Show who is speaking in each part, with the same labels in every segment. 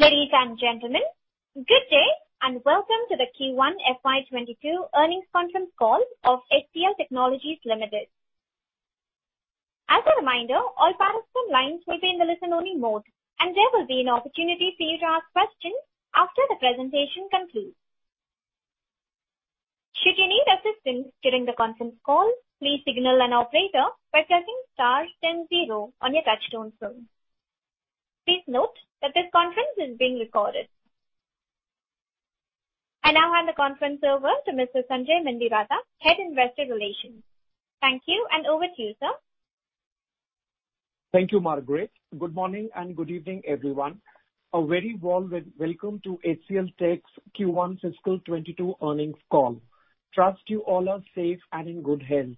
Speaker 1: Ladies and gentlemen, good day, and welcome to the Q1 FY 2022 earnings conference call of HCL Technologies Limited. As a reminder, all participant lines will be in the listen-only mode, and there will be an opportunity for you to ask questions after the presentation concludes. Should you need assistance during the conference call, please signal an operator by pressing star then zero on your touch-tone phone. Please note that this conference is being recorded. I now hand the conference over to Mr. Sanjay Mendiratta, Head, Investor Relations. Thank you, and over to you, sir.
Speaker 2: Thank you, Margaret. Good morning and good evening, everyone. A very warm welcome to HCL Tech's Q1 fiscal 2022 earnings call. Trust you all are safe and in good health.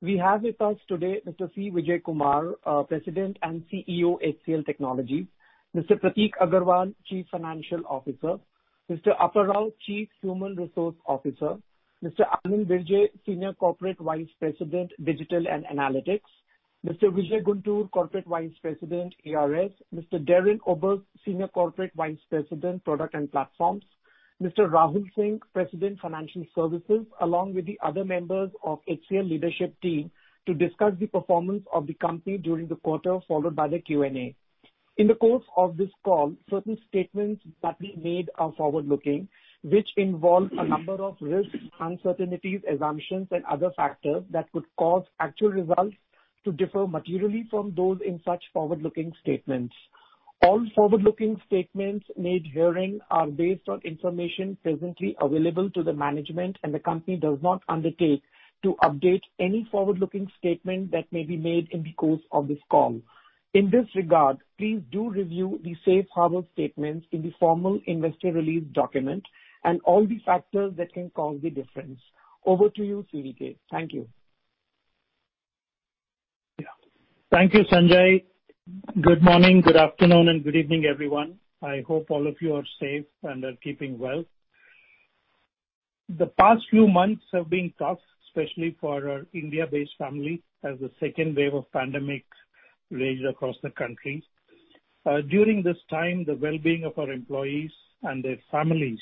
Speaker 2: We have with us today Mr. C. Vijayakumar, President and CEO, HCL Technologies. Mr. Prateek Aggarwal, Chief Financial Officer. Mr. Apparao VV, Chief Human Resources Officer. Mr. Anil Vijay, Senior Corporate Vice President, Digital and Analytics. Mr. Vijay Guntur, Corporate Vice President, ERS. Mr. Darren Oberst, Senior Corporate Vice President, Products and Platforms. Mr. Rahul Singh, President, Financial Services. Along with the other members of HCL leadership team to discuss the performance of the company during the quarter, followed by the Q&A. In the course of this call, certain statements that we made are forward-looking, which involve a number of risks, uncertainties, assumptions and other factors that could cause actual results to differ materially from those in such forward-looking statements. All forward-looking statements made herein are based on information presently available to the management, and the company does not undertake to update any forward-looking statement that may be made in the course of this call. In this regard, please do review the safe harbor statements in the formal investor release document and all the factors that can cause the difference. Over to you, CVK. Thank you.
Speaker 3: Yeah. Thank you, Sanjay. Good morning, good afternoon, and good evening, everyone. I hope all of you are safe and are keeping well. The past few months have been tough, especially for our India-based family, as the second wave of pandemic raged across the country. During this time, the well-being of our employees and their families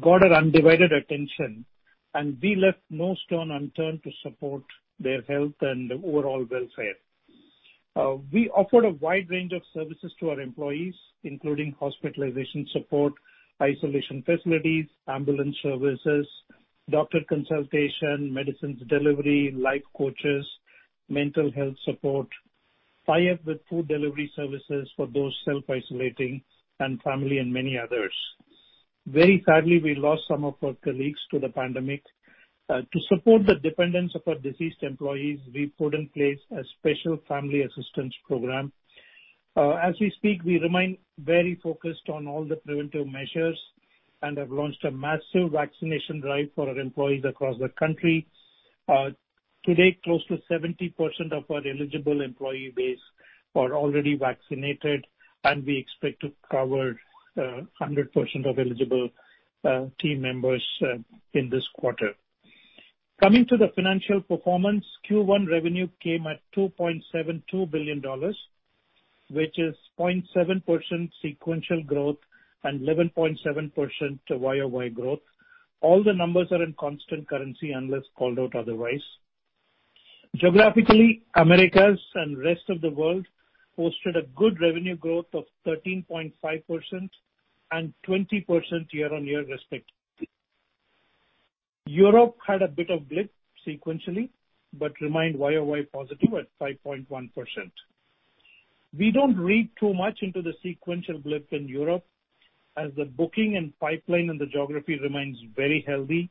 Speaker 3: got our undivided attention, and we left no stone unturned to support their health and overall welfare. We offered a wide range of services to our employees, including hospitalization support, isolation facilities, ambulance services, doctor consultation, medicines delivery, life coaches, mental health support, tie-up with food delivery services for those self-isolating and family, and many others. Very sadly, we lost some of our colleagues to the pandemic. To support the dependents of our deceased employees, we put in place a special family assistance program. As we speak, we remain very focused on all the preventive measures and have launched a massive vaccination drive for our employees across the country. Today, close to 70% of our eligible employee base are already vaccinated, and we expect to cover 100% of eligible team members in this quarter. Coming to the financial performance, Q1 revenue came at $2.72 billion, which is 0.7% sequential growth and 11.7% Y-o-Y growth. All the numbers are in constant currency, unless called out otherwise. Geographically, Americas and rest of the world posted a good revenue growth of 13.5% and 20% year-on-year, respectively. Europe had a bit of blip sequentially, but remained Y-o-Y positive at 5.1%. We don't read too much into the sequential blip in Europe as the booking and pipeline in the geography remains very healthy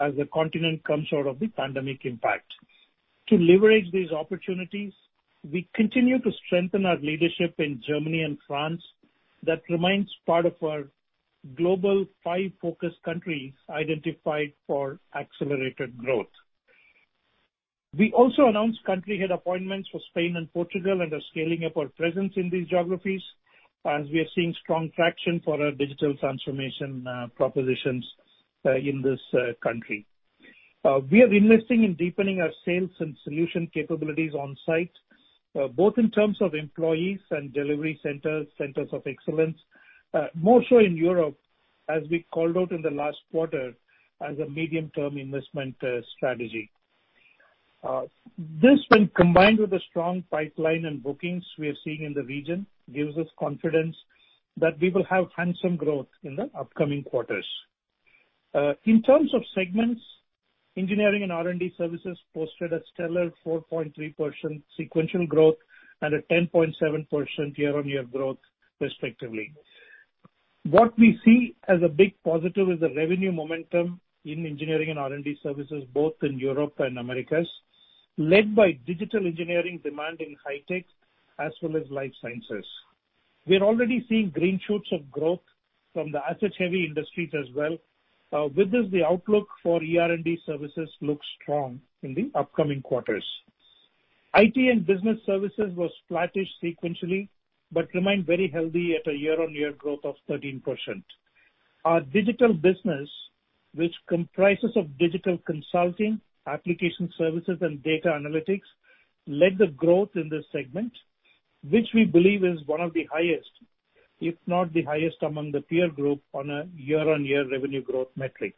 Speaker 3: as the continent comes out of the pandemic impact. To leverage these opportunities, we continue to strengthen our leadership in Germany and France. That remains part of our global 5-focus countries identified for accelerated growth. We also announced country head appointments for Spain and Portugal and are scaling up our presence in these geographies as we are seeing strong traction for our digital transformation propositions in this country. We are investing in deepening our sales and solution capabilities on site, both in terms of employees and delivery centers, Centers of Excellence. More so in Europe, as we called out in the last quarter as a medium-term investment strategy. This, when combined with the strong pipeline and bookings we are seeing in the region, gives us confidence that we will have handsome growth in the upcoming quarters. In terms of segments, Engineering and R&D Services posted a stellar 4.3% sequential growth and a 10.7% year-on-year growth, respectively. What we see as a big positive is the revenue momentum in Engineering and R&D Services both in Europe and Americas, led by digital engineering demand in high-tech as well as life sciences. We are already seeing green shoots of growth from the asset-heavy industries as well. With this, the outlook for ER&D Services looks strong in the upcoming quarters. IT and Business Services was flattish sequentially but remained very healthy at a year-on-year growth of 13%. Our digital business, which comprises of digital consulting, application services, and data analytics, led the growth in this segment, which we believe is one of the highest, if not the highest among the peer group on a year-on-year revenue growth metric.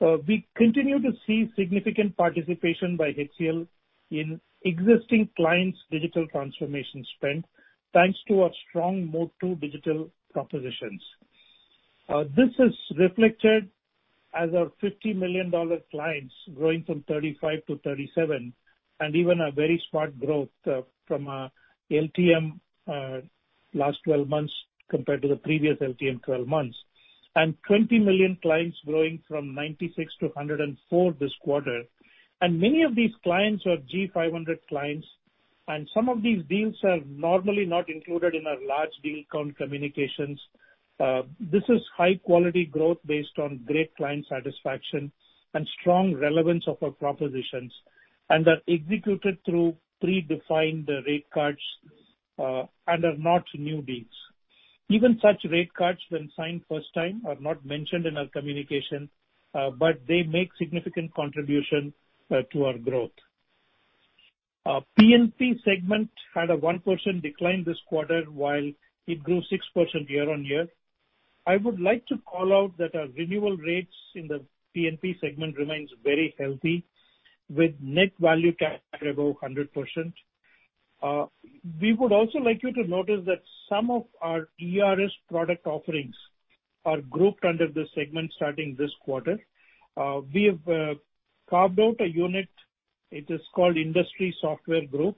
Speaker 3: We continue to see significant participation by HCL in existing clients' digital transformation spend, thanks to our strong Mode 2 digital propositions. This is reflected as our $50 million clients growing from 35-37, and even a very smart growth from our LTM, last 12 months, compared to the previous LTM 12 months. $20 million clients growing from 96 to 104 this quarter. Many of these clients are G500 clients, and some of these deals are normally not included in our large deal count communications. This is high-quality growth based on great client satisfaction and strong relevance of our propositions, and are executed through predefined rate cards and are not new deals. Even such rate cards, when signed first time, are not mentioned in our communication, but they make significant contribution to our growth. P&P segment had a 1% decline this quarter, while it grew 6% year-on-year. I would like to call out that our renewal rates in the P&P segment remain very healthy, with net value above 100%. We would also like you to notice that some of our ERS product offerings are grouped under this segment starting this quarter. We have carved out a unit, it is called Industry Software Division,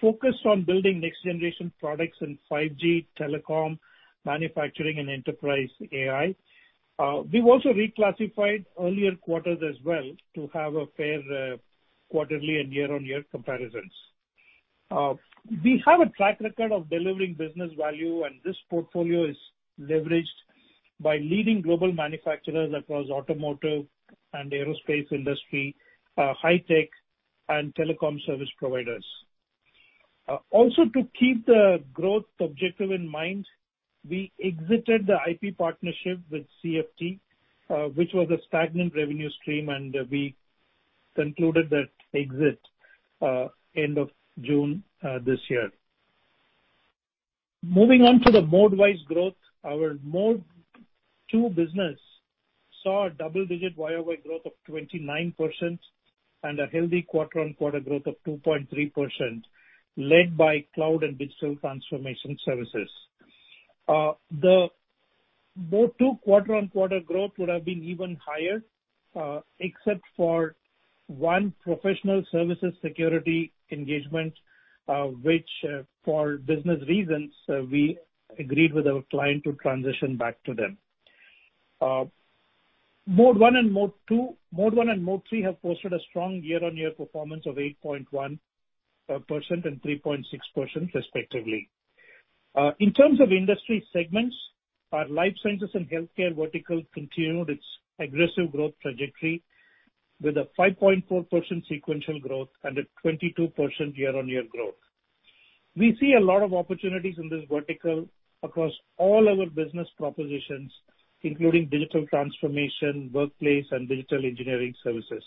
Speaker 3: focused on building next-generation products in 5G, telecom, manufacturing, and enterprise AI. We've also reclassified earlier quarters as well to have a fair quarterly and year-on-year comparison. We have a track record of delivering business value, and this portfolio is leveraged by leading global manufacturers across automotive and aerospace industry, high tech, and telecom service providers. To keep the growth objective in mind, we exited the IP partnership with Celeriti, which was a stagnant revenue stream, and we concluded that exit end of June this year. Moving on to the Mode-wise growth, our Mode 2 business saw a double-digit Y-o-Y growth of 29% and a healthy quarter-on-quarter growth of 2.3%, led by cloud and digital transformation services. The Mode 2 quarter-on-quarter growth would have been even higher, except for one professional services security engagement, which, for business reasons, we agreed with our client to transition back to them. Mode 1 and Mode 3 have posted a strong year-on-year performance of 8.1% and 3.6% respectively. In terms of industry segments, our life sciences and healthcare vertical continued its aggressive growth trajectory with a 5.4% sequential growth and a 22% year-on-year growth. We see a lot of opportunities in this vertical across all our business propositions, including digital transformation, workplace, and digital engineering services.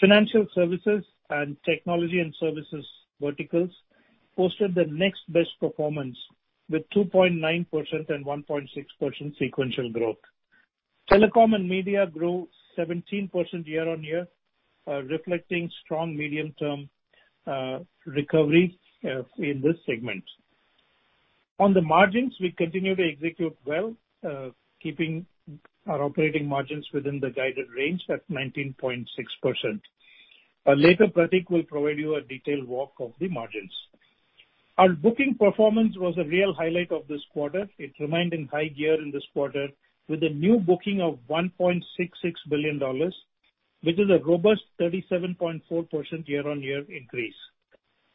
Speaker 3: Financial Services and technology and services verticals posted their next best performance with 2.9% and 1.6% sequential growth. Telecom and media grew 17% year-on-year, reflecting strong medium-term recovery in this segment. On the margins, we continue to execute well, keeping our operating margins within the guided range at 19.6%. Later, Prateek will provide you a detailed walk of the margins. Our booking performance was a real highlight of this quarter. It remained in high gear in this quarter with a new booking of $1.66 billion, which is a robust 37.4% year-on-year increase.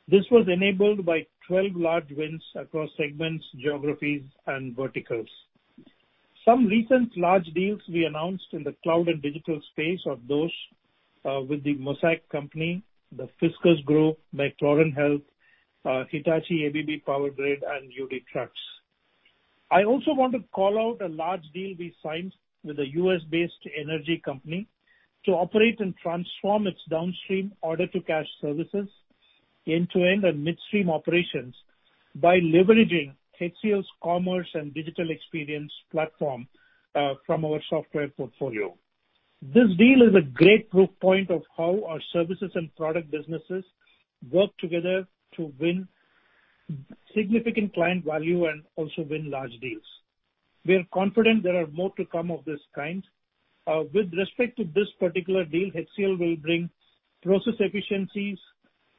Speaker 3: This was enabled by 12 large wins across segments, geographies, and verticals. Some recent large deals we announced in the cloud and digital space are those with The Mosaic Company, the Fiskars Group, McLaren Health Care, Hitachi ABB Power Grids, and UD Trucks. I also want to call out a large deal we signed with a U.S.-based energy company to operate and transform its downstream order-to-cash services, end-to-end and midstream operations by leveraging HCL's commerce and digital experience platform from our software portfolio. This deal is a great proof point of how our services and product businesses work together to win significant client value and also win large deals. We are confident there are more to come of this kind. With respect to this particular deal, HCL will bring process efficiencies,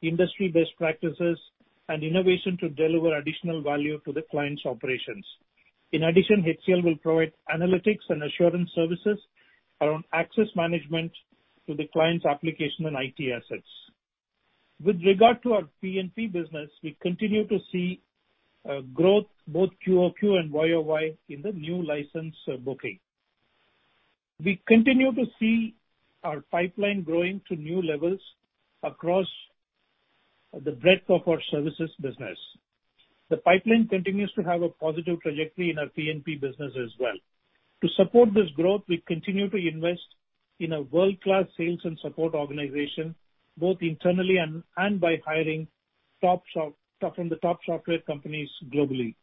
Speaker 3: industry best practices, and innovation to deliver additional value to the client's operations. In addition, HCL will provide analytics and assurance services around access management to the client's application and IT assets. With regard to our PnP business, we continue to see growth, both QoQ and Y-o-Y in the new license booking. We continue to see our pipeline growing to new levels across the breadth of our services business. The pipeline continues to have a positive trajectory in our PnP business as well. To support this growth, we continue to invest in a world-class sales and support organization, both internally and by hiring from the top software companies globally.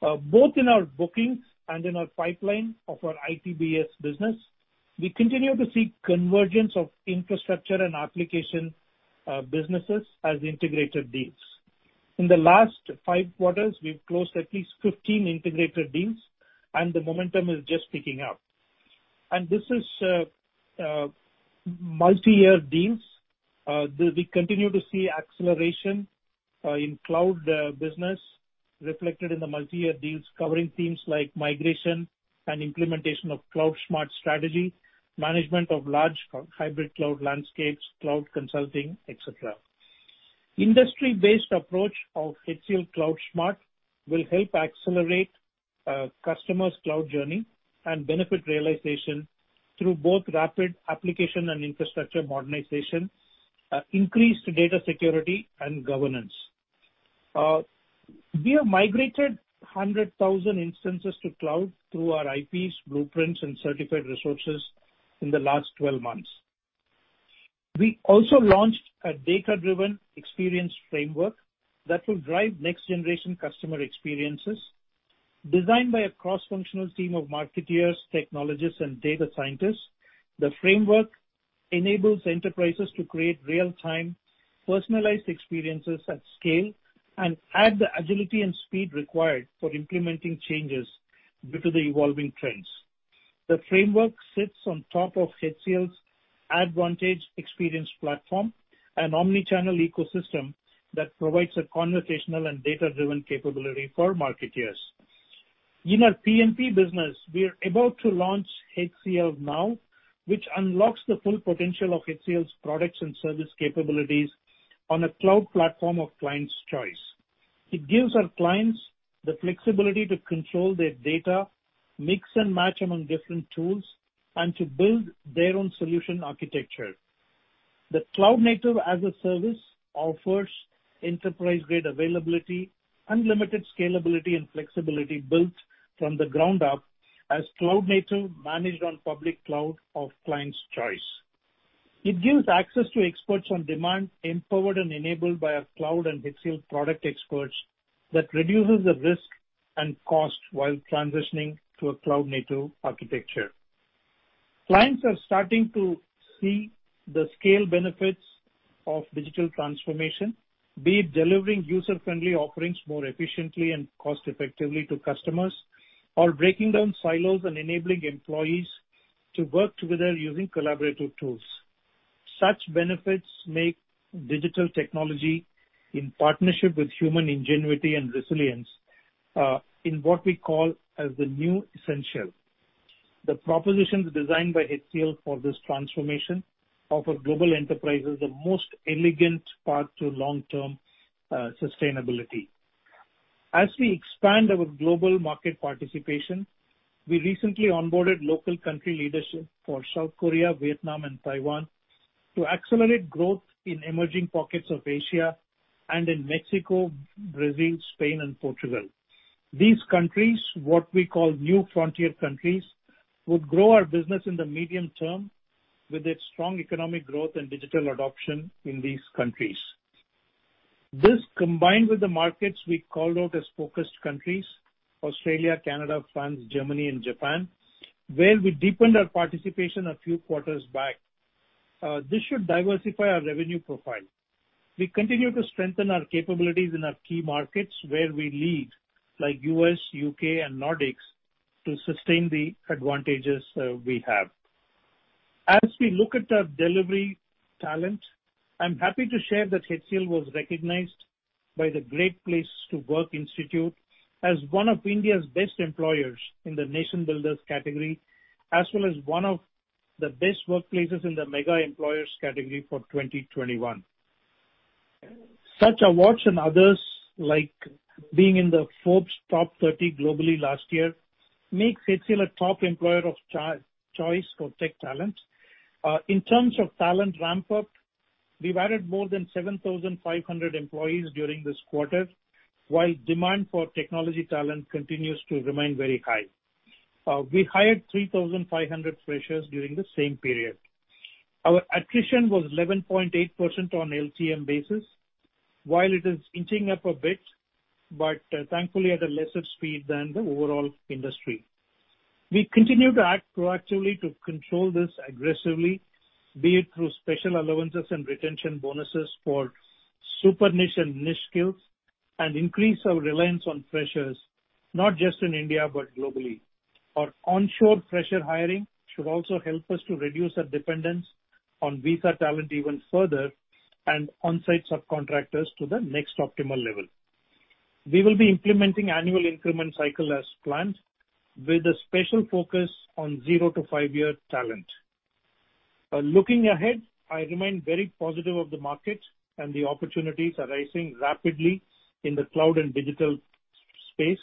Speaker 3: Both in our bookings and in our pipeline of our ITBS business, we continue to see convergence of infrastructure and application businesses as integrated deals. In the last five quarters, we've closed at least 15 integrated deals, the momentum is just picking up. This is multi-year deals. We continue to see acceleration in cloud business reflected in the multi-year deals covering themes like migration and implementation of CloudSMART strategy, management of large hybrid cloud landscapes, cloud consulting, et cetera. Industry-based approach of HCL CloudSMART will help accelerate customers' cloud journey and benefit realization through both rapid application and infrastructure modernization, increased data security, and governance. We have migrated 100,000 instances to cloud through our IPs, blueprints, and certified resources in the last 12 months. We also launched a data-driven experience framework that will drive next-generation customer experiences. Designed by a cross-functional team of marketers, technologists, and data scientists, the framework enables enterprises to create real-time, personalized experiences at scale and add the agility and speed required for implementing changes due to the evolving trends. The framework sits on top of HCL's ADvantage Experience Platform, an omnichannel ecosystem that provides a conversational and data-driven capability for marketers. In our P&P business, we are about to launch HCL Now, which unlocks the full potential of HCL's products and service capabilities on a cloud platform of client's choice. It gives our clients the flexibility to control their data, mix and match among different tools, and to build their own solution architecture. The cloud-native as a service offers enterprise-grade availability, unlimited scalability and flexibility built from the ground up as cloud-native managed on public cloud of client's choice. It gives access to experts on demand, empowered and enabled by our cloud and HCL product experts that reduces the risk and cost while transitioning to a cloud-native architecture. Clients are starting to see the scale benefits of digital transformation, be it delivering user-friendly offerings more efficiently and cost-effectively to customers or breaking down silos and enabling employees to work together using collaborative tools. Such benefits make digital technology in partnership with human ingenuity and resilience, in what we call as the new essential. The propositions designed by HCL for this transformation offer global enterprises the most elegant path to long-term sustainability. As we expand our global market participation, we recently onboarded local country leadership for South Korea, Vietnam, and Taiwan to accelerate growth in emerging pockets of Asia and in Mexico, Brazil, Spain, and Portugal. These countries, what we call new frontier countries, would grow our business in the medium term with its strong economic growth and digital adoption in these countries. This, combined with the markets we called out as focused countries, Australia, Canada, France, Germany, and Japan, where we deepened our participation a few quarters back. This should diversify our revenue profile. We continue to strengthen our capabilities in our key markets where we lead, like U.S., U.K., and Nordics, to sustain the advantages we have. As we look at our delivery talent, I'm happy to share that HCL was recognized by the Great Place to Work Institute as one of India's best employers in the Nation Builders category, as well as one of the best workplaces in the Mega Employers category for 2021. Such awards and others, like being in the Forbes top 30 globally last year, makes HCL a top employer of choice for tech talent. In terms of talent ramp-up, we've added more than 7,500 employees during this quarter, while demand for technology talent continues to remain very high. We hired 3,500 freshers during the same period. Our attrition was 11.8% on LTM basis. While it is inching up a bit, but thankfully at a lesser speed than the overall industry. We continue to act proactively to control this aggressively, be it through special allowances and retention bonuses for super niche and niche skills and increase our reliance on freshers, not just in India, but globally. Our onshore fresher hiring should also help us to reduce our dependence on visa talent even further and on-site subcontractors to the next optimal level. We will be implementing annual increment cycle as planned with a special focus on zero to five-year talent. Looking ahead, I remain very positive of the market and the opportunities arising rapidly in the cloud and digital space,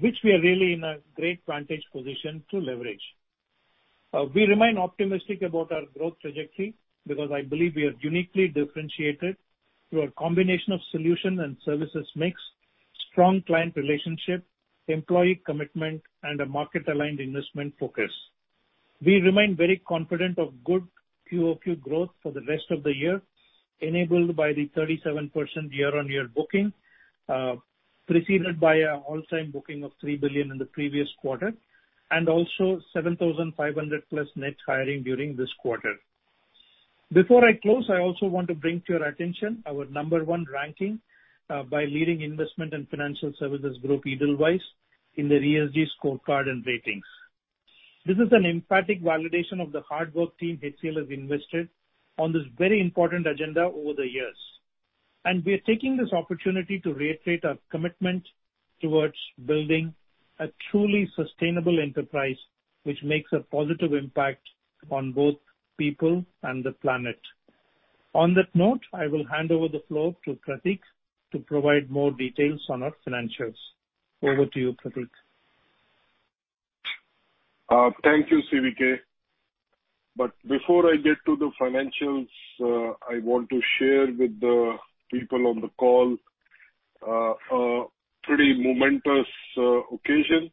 Speaker 3: which we are really in a great vantage position to leverage. We remain optimistic about our growth trajectory because I believe we are uniquely differentiated through a combination of solution and services mix, strong client relationship, employee commitment, and a market-aligned investment focus. We remain very confident of good QOQ growth for the rest of the year, enabled by the 37% year-on-year booking, preceded by an all-time booking of 3 billion in the previous quarter. Also, 7,500+ net hiring during this quarter. Before I close, I also want to bring to your attention our number one ranking by leading investment and financial services group, Edelweiss, in their ESG scorecard and ratings. This is an emphatic validation of the hard work team HCL has invested on this very important agenda over the years. We are taking this opportunity to reiterate our commitment towards building a truly sustainable enterprise which makes a positive impact on both people and the planet. On that note, I will hand over the floor to Prateek to provide more details on our financials. Over to you, Prateek.
Speaker 4: Thank you, CVK. Before I get to the financials, I want to share with the people on the call a pretty momentous occasion.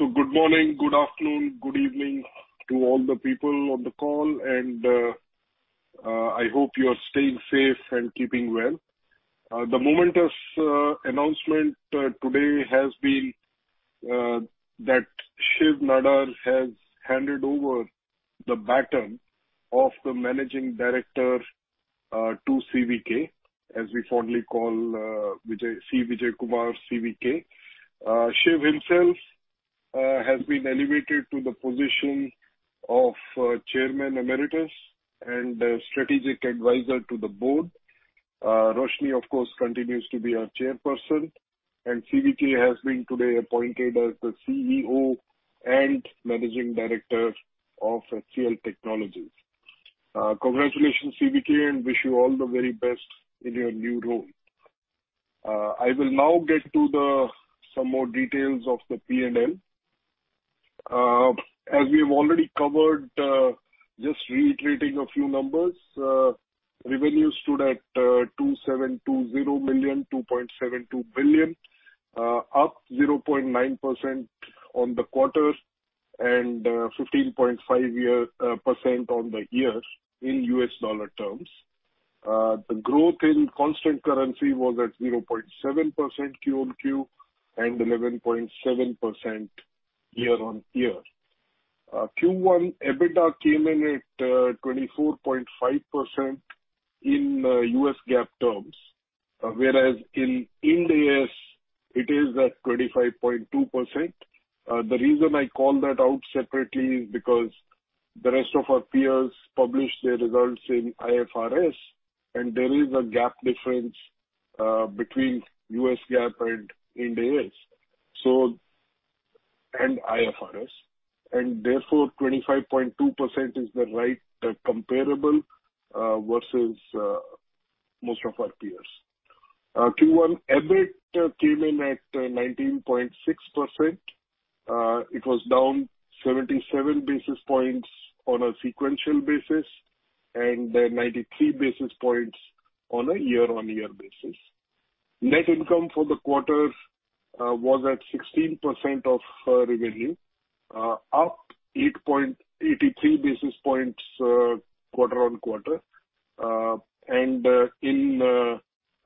Speaker 4: Good morning, good afternoon, good evening to all the people on the call, and I hope you are staying safe and keeping well. The momentous announcement today has been that Shiv Nadar has handed over the baton of the Managing Director to CVK, as we fondly call C. Vijayakumar, CVK. Shiv himself has been elevated to the position of Chairman Emeritus and Strategic Advisor to the board. Roshni, of course, continues to be our chairperson, and CVK has been today appointed as the CEO and Managing Director of HCL Technologies. Congratulations, CVK, and wish you all the very best in your new role. I will now get to some more details of the P&L. As we have already covered, just reiterating a few numbers. Revenue stood at $2.720 million, $2.72 billion, up 0.9% on the quarter and 15.5% on the year in US dollar terms. The growth in constant currency was at 0.7% QOQ and 11.7% year-on-year. Q1 EBITDA came in at 24.5% in US GAAP terms, whereas in Ind AS, it is at 35.2%. The reason I call that out separately is because the rest of our peers publish their results in IFRS, and there is a GAAP difference between US GAAP and Ind AS and IFRS. Therefore, 25.2% is the right comparable versus most of our peers. Q1 EBIT came in at 19.6%. It was down 77 basis points on a sequential basis and 93 basis points on a year-on-year basis. Net income for the quarter was at 16% of our revenue, up 83 basis points quarter-on-quarter. In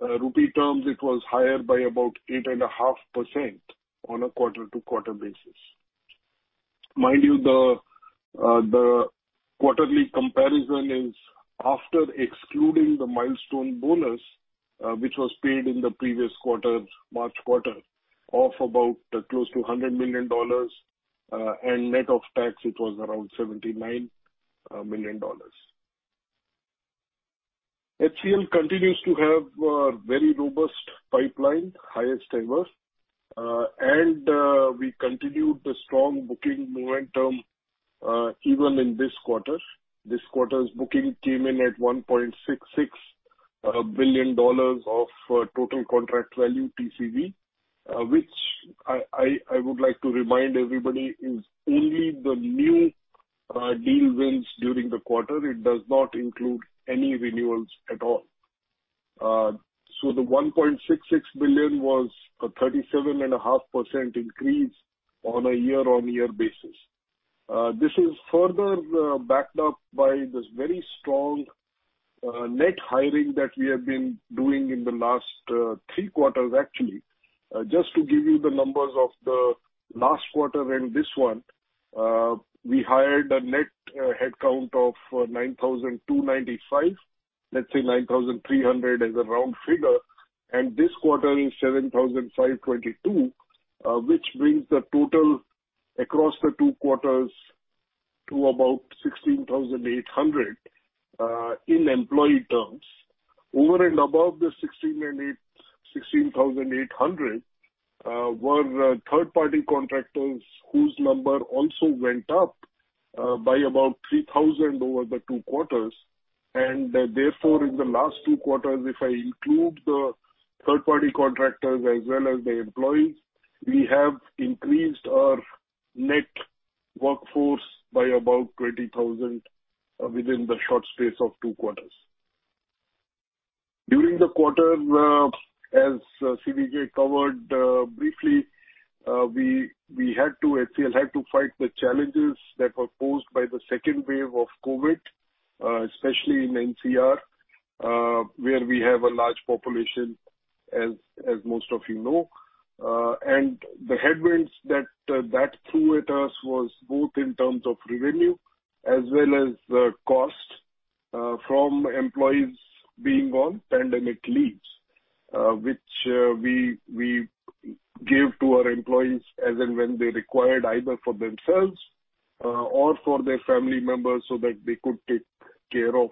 Speaker 4: rupee terms, it was higher by about 8.5% on a quarter-to-quarter basis. Mind you, the quarterly comparison is after excluding the milestone bonus which was paid in the previous quarter, March quarter, of about close to $100 million. Net of tax, it was around $79 million. HCL continues to have a very robust pipeline, highest ever. We continued the strong booking momentum even in this quarter. This quarter's booking came in at $1.66 billion of total contract value, TCV, which I would like to remind everybody is only the new deal wins during the quarter. It does not include any renewals at all. The $1.66 billion was a 37.5% increase on a year-on-year basis. This is further backed up by this very strong net hiring that we have been doing in the last 3 quarters, actually. Just to give you the numbers of the last quarter and this one, we hired a net headcount of 9,295, let's say 9,300 as a round figure, and this quarter is 7,522, which brings the total across the two quarters to about 16,800 in employee terms. Over and above the 16,800 were third party contractors whose number also went up by about 3,000 over the two quarters. Therefore, in the last two quarters, if I include the third party contractors as well as the employees, we have increased our net workforce by about 20,000 within the short space of two quarters. During the quarter, as C. Vijayakumar covered briefly, HCL had to fight the challenges that were posed by the second wave of COVID, especially in NCR, where we have a large population, as most of you know. The headwinds that threw at us was both in terms of revenue as well as the cost from employees being on pandemic leaves, which we give to our employees as and when they required, either for themselves or for their family members so that they could take care of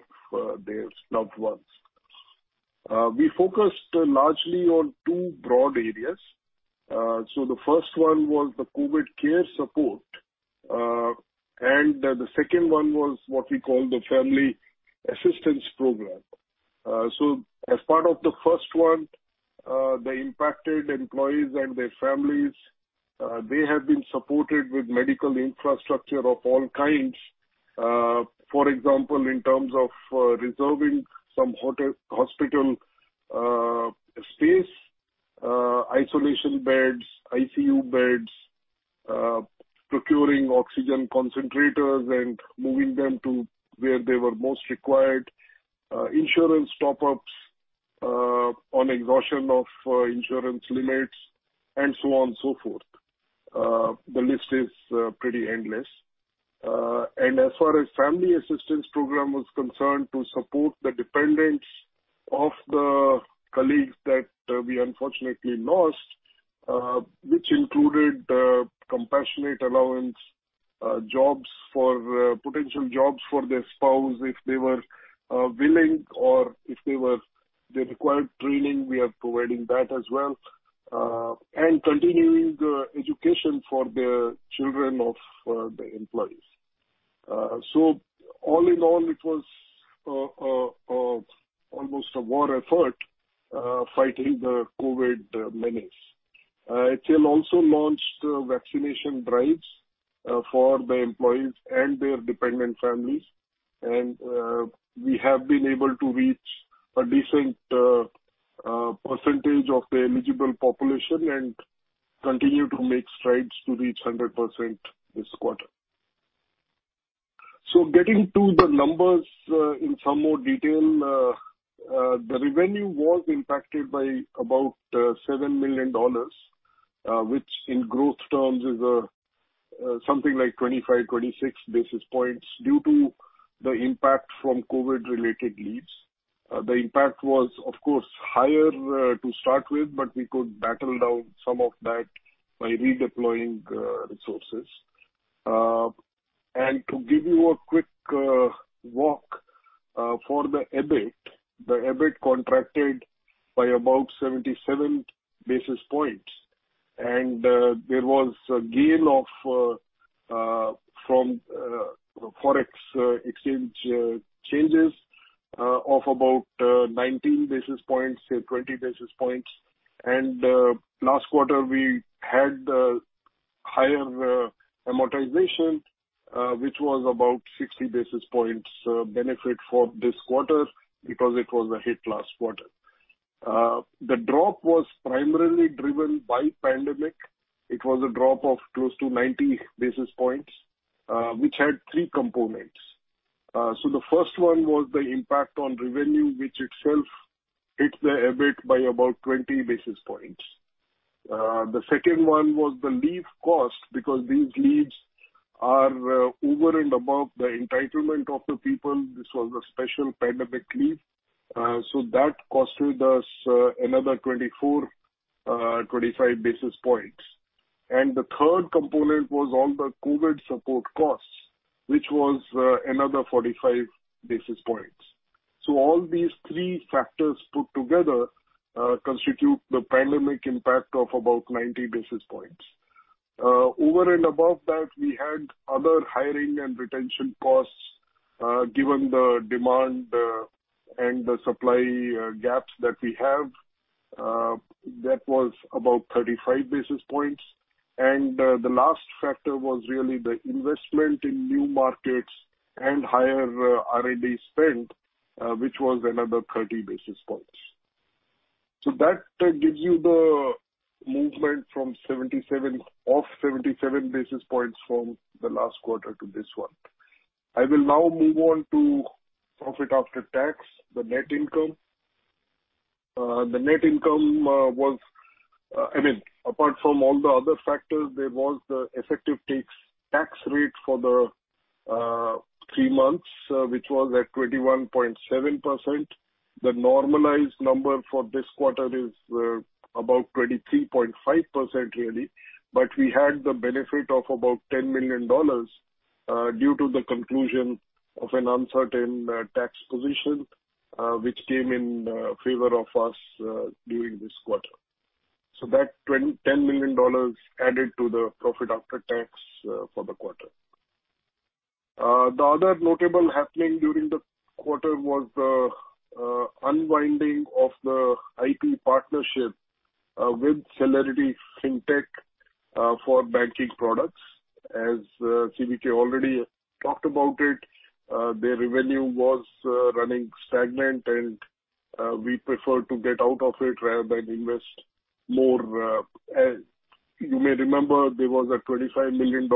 Speaker 4: their loved ones. We focused largely on 2 broad areas. The 1st one was the COVID Care Support, and the 2nd one was what we call the Family Assistance Program. As part of the 1st one, the impacted employees and their families, they have been supported with medical infrastructure of all kinds. For example, in terms of reserving some hotel hospital space, isolation beds, ICU beds, procuring oxygen concentrators and moving them to where they were most required, insurance top-ups on exhaustion of insurance limits, and so on and so forth. The list is pretty endless. As far as family assistance program was concerned, to support the dependents of the colleagues that we unfortunately lost, which included compassionate allowance, potential jobs for their spouse if they were willing, or if they required training, we are providing that as well, and continuing the education for the children of the employees. All in all, it was almost a war effort, fighting the COVID menace. HCL also launched vaccination drives for the employees and their dependent families, and we have been able to reach a decent percentage of the eligible population and continue to make strides to reach 100% this quarter. Getting to the numbers in some more detail. The revenue was impacted by about $7 million, which in growth terms is something like 25, 26 basis points, due to the impact from COVID-related leaves. The impact was, of course, higher to start with, but we could battle down some of that by redeploying resources. To give you a quick walk for the EBIT. The EBIT contracted by about 77 basis points, and there was a gain from Forex exchange changes of about 19 basis points, say 20 basis points. Last quarter we had higher amortization, which was about 60 basis points benefit for this quarter because it was a hit last quarter. The drop was primarily driven by pandemic. It was a drop of close to 90 basis points, which had three components. The first one was the impact on revenue, which itself hit the EBIT by about 20 basis points. The second one was the leave cost, because these leaves are over and above the entitlement of the people. This was a special pandemic leave, so that costed us another 24, 25 basis points. All these three factors put together constitute the pandemic impact of about 90 basis points. Over and above that, we had other hiring and retention costs, given the demand and the supply gaps that we have. That was about 35 basis points. The last factor was really the investment in new markets and higher R&D spend, which was another 30 basis points. That gives you the movement of 77 basis points from the last quarter to this one. I will now move on to profit after tax, the net income. The net income was, I mean, apart from all the other factors, there was the effective tax rate for the 3 months, which was at 21.7%. The normalized number for this quarter is about 23.5%, really, we had the benefit of about $10 million due to the conclusion of an uncertain tax position, which came in favor of us during this quarter. That $10 million added to the profit after tax for the quarter. The other notable happening during the quarter was the unwinding of the IP partnership with CeleritiFinTech for banking products. As CVK already talked about it, their revenue was running stagnant, we preferred to get out of it rather than invest more. As you may remember, there was a $25 million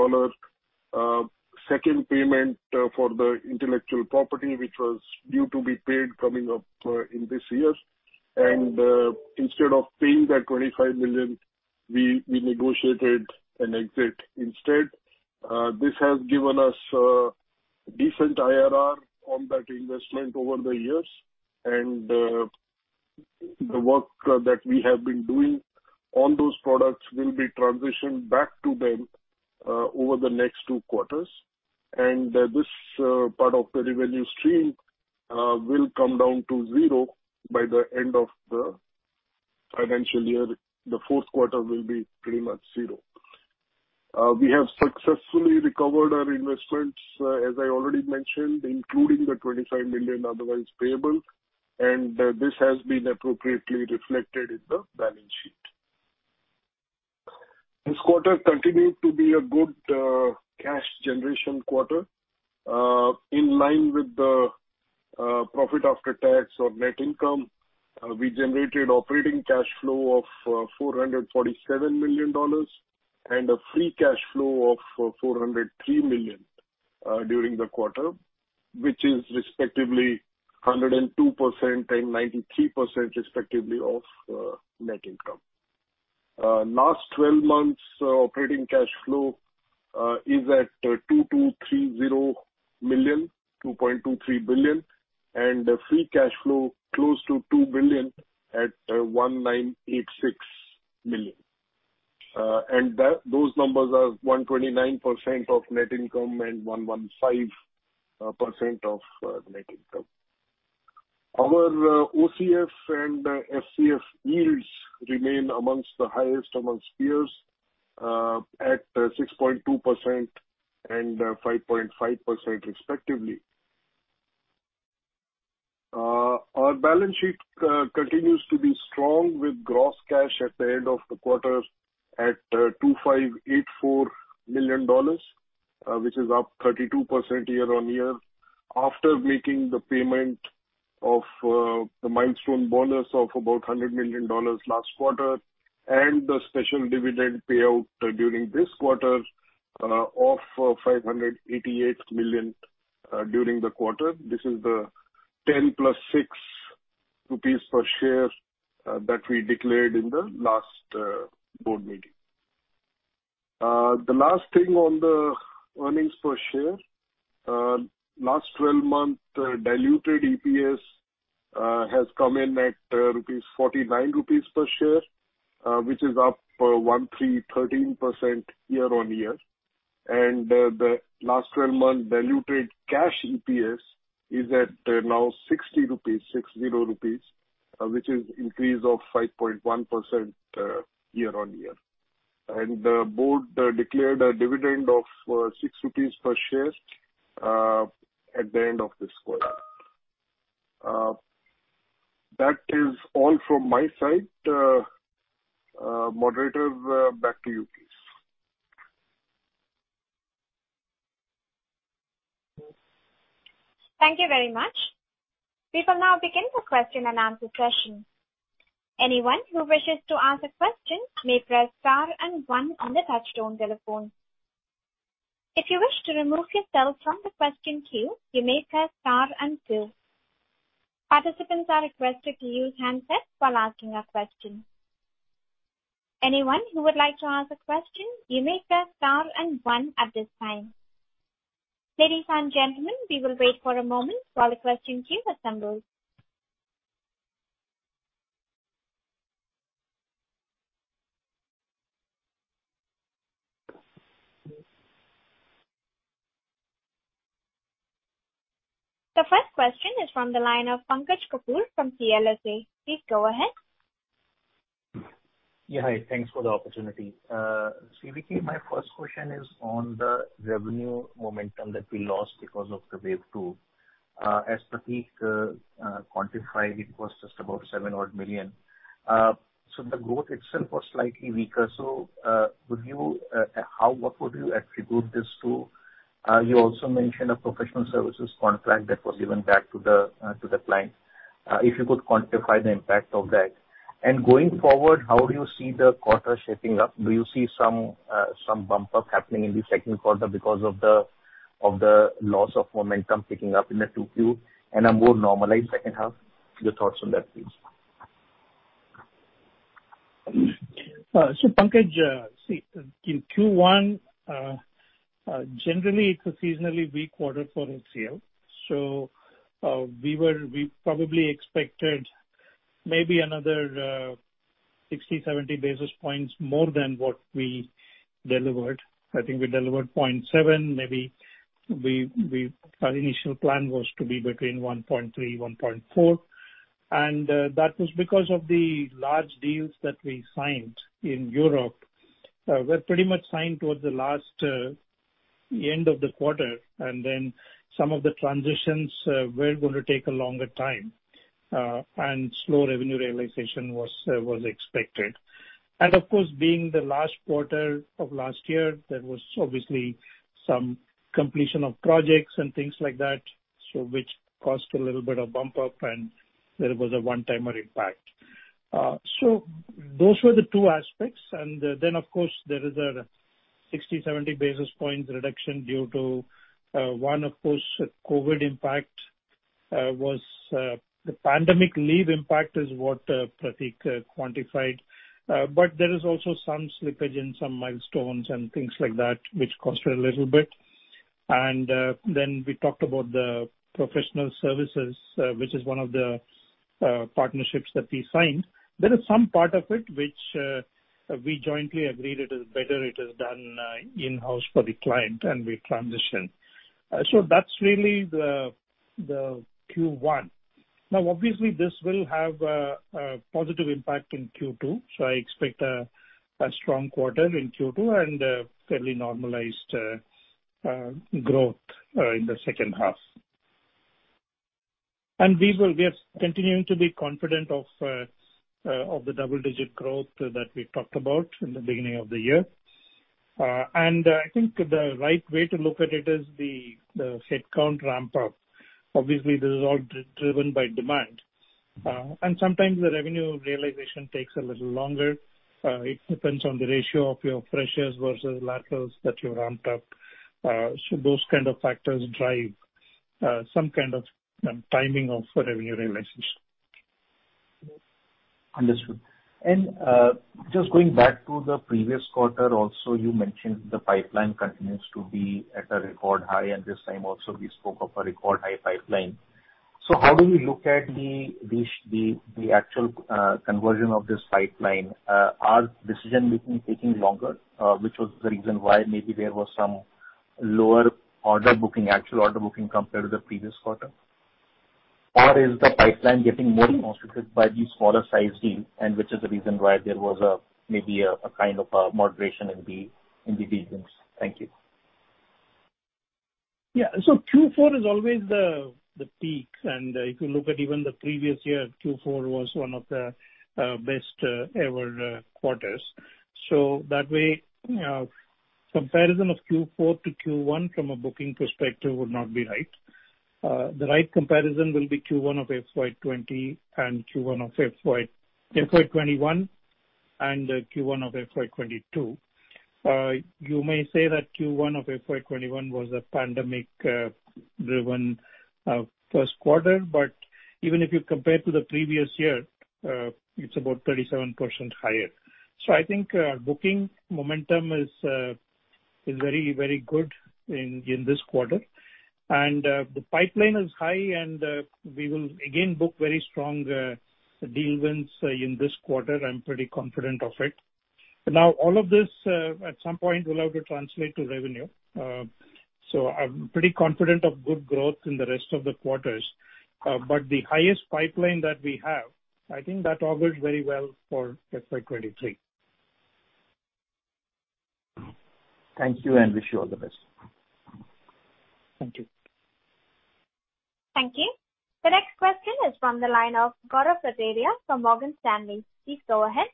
Speaker 4: second payment for the intellectual property, which was due to be paid coming up in this year. Instead of paying that $25 million, we negotiated an exit instead. This has given us a decent IRR on that investment over the years. The work that we have been doing on those products will be transitioned back to them over the next 2 quarters. This part of the revenue stream will come down to zero by the end of the financial year. The fourth quarter will be pretty much zero. We have successfully recovered our investments, as I already mentioned, including the $25 million otherwise payable, and this has been appropriately reflected in the balance sheet. This quarter continued to be a good cash generation quarter. In line with the profit after tax or net income, we generated operating cash flow of $447 million and a free cash flow of $403 million during the quarter, which is respectively 102% and 93% respectively of net income. Last 12 months operating cash flow is at $2.23 billion and free cash flow close to $2 billion at $1986 million. Those numbers are 129% of net income and 115% of net income. Our OCF and FCF yields remain amongst the highest amongst peers at 6.2% and 5.5% respectively. Our balance sheet continues to be strong with gross cash at the end of the quarter at $2,584 million, which is up 32% year-on-year, after making the payment of the milestone bonus of about $100 million last quarter and the special dividend payout during this quarter of $588 million during the quarter. This is the 10 plus 6 rupees per share that we declared in the last board meeting. The last thing on the earnings per share. Last 12-month diluted EPS has come in at 49 rupees per share, which is up 13% year-on-year. The last 12-month diluted cash EPS is at now 60 rupees, which is increase of 5.1% year-on-year. The board declared a dividend of 6 rupees per share at the end of this quarter. That is all from my side. Moderator, back to you, please.
Speaker 1: Thank you very much. We will now begin the question and answer session. Anyone who wishes to ask a question may press star and 1 on the touchtone telephone. If you wish to remove yourself from the question queue, you may press star and 2. Participants are requested to use handsets while asking a question. Anyone who would like to ask a question, you may press star and 1 at this time. Ladies and gentlemen, we will wait for a moment while the question queue assembles. The first question is from the line of Pankaj Kapoor from CLSA. Please go ahead.
Speaker 5: Hi, thanks for the opportunity. CVK, my first question is on the revenue momentum that we lost because of the wave 2. As Prateek quantified, it was just about $7 odd million. The growth itself was slightly weaker. What would you attribute this to? You also mentioned a professional services contract that was given back to the client. If you could quantify the impact of that? Going forward, how do you see the quarter shaping up? Do you see some bump up happening in the second quarter because of the loss of momentum picking up in the 2Q and a more normalized second half? Your thoughts on that, please.
Speaker 3: Pankaj, see in Q1, generally it's a seasonally weak quarter for HCL. We probably expected. Maybe another 60, 70 basis points more than what we delivered. I think we delivered 0.7. Maybe our initial plan was to be between 1.3, 1.4, and that was because of the large deals that we signed in Europe were pretty much signed towards the end of the quarter, and then some of the transitions were going to take a longer time, and slow revenue realization was expected. Of course, being the last quarter of last year, there was obviously some completion of projects and things like that, which caused a little bit of bump up and there was a one-timer impact. So those were the two aspects. Of course, there is a 60, 70 basis points reduction due to, one, of course, COVID impact. The pandemic leave impact is what Prateek quantified. There is also some slippage in some milestones and things like that, which cost a little bit. We talked about the professional services, which is one of the partnerships that we signed. There is some part of it which we jointly agreed it is better it is done in-house for the client and we transition. That's really the Q1. Obviously, this will have a positive impact in Q2. I expect a strong quarter in Q2 and fairly normalized growth in the second half. We are continuing to be confident of the double-digit growth that we talked about in the beginning of the year. I think the right way to look at it is the headcount ramp-up. Obviously, this is all driven by demand. Sometimes the revenue realization takes a little longer. It depends on the ratio of your freshers versus laterals that you ramped up. Those kind of factors drive some kind of timing of revenue realization.
Speaker 5: Understood. Just going back to the previous quarter also, you mentioned the pipeline continues to be at a record high and this time also we spoke of a record high pipeline. How do you look at the actual conversion of this pipeline? Are decision-making taking longer, which was the reason why maybe there was some lower actual order booking compared to the previous quarter? Or is the pipeline getting more constituted by the smaller size deal and which is the reason why there was maybe a kind of a moderation in the deal wins? Thank you.
Speaker 3: Q4 is always the peak, and if you look at even the previous year, Q4 was one of the best ever quarters. That way, comparison of Q4 to Q1 from a booking perspective would not be right. The right comparison will be Q1 of FY 2020 and Q1 of FY 2021 and Q1 of FY 2022. You may say that Q1 of FY 2021 was a pandemic-driven first quarter, but even if you compare to the previous year, it's about 37% higher. I think booking momentum is very good in this quarter. The pipeline is high, and we will again book very strong deal wins in this quarter. I'm pretty confident of it. Now, all of this, at some point, will have to translate to revenue. I'm pretty confident of good growth in the rest of the quarters. The highest pipeline that we have, I think that augurs very well for FY 2023.
Speaker 5: Thank you and wish you all the best.
Speaker 3: Thank you.
Speaker 1: Thank you. The next question is from the line of Gaurav Rateria from Morgan Stanley. Please go ahead.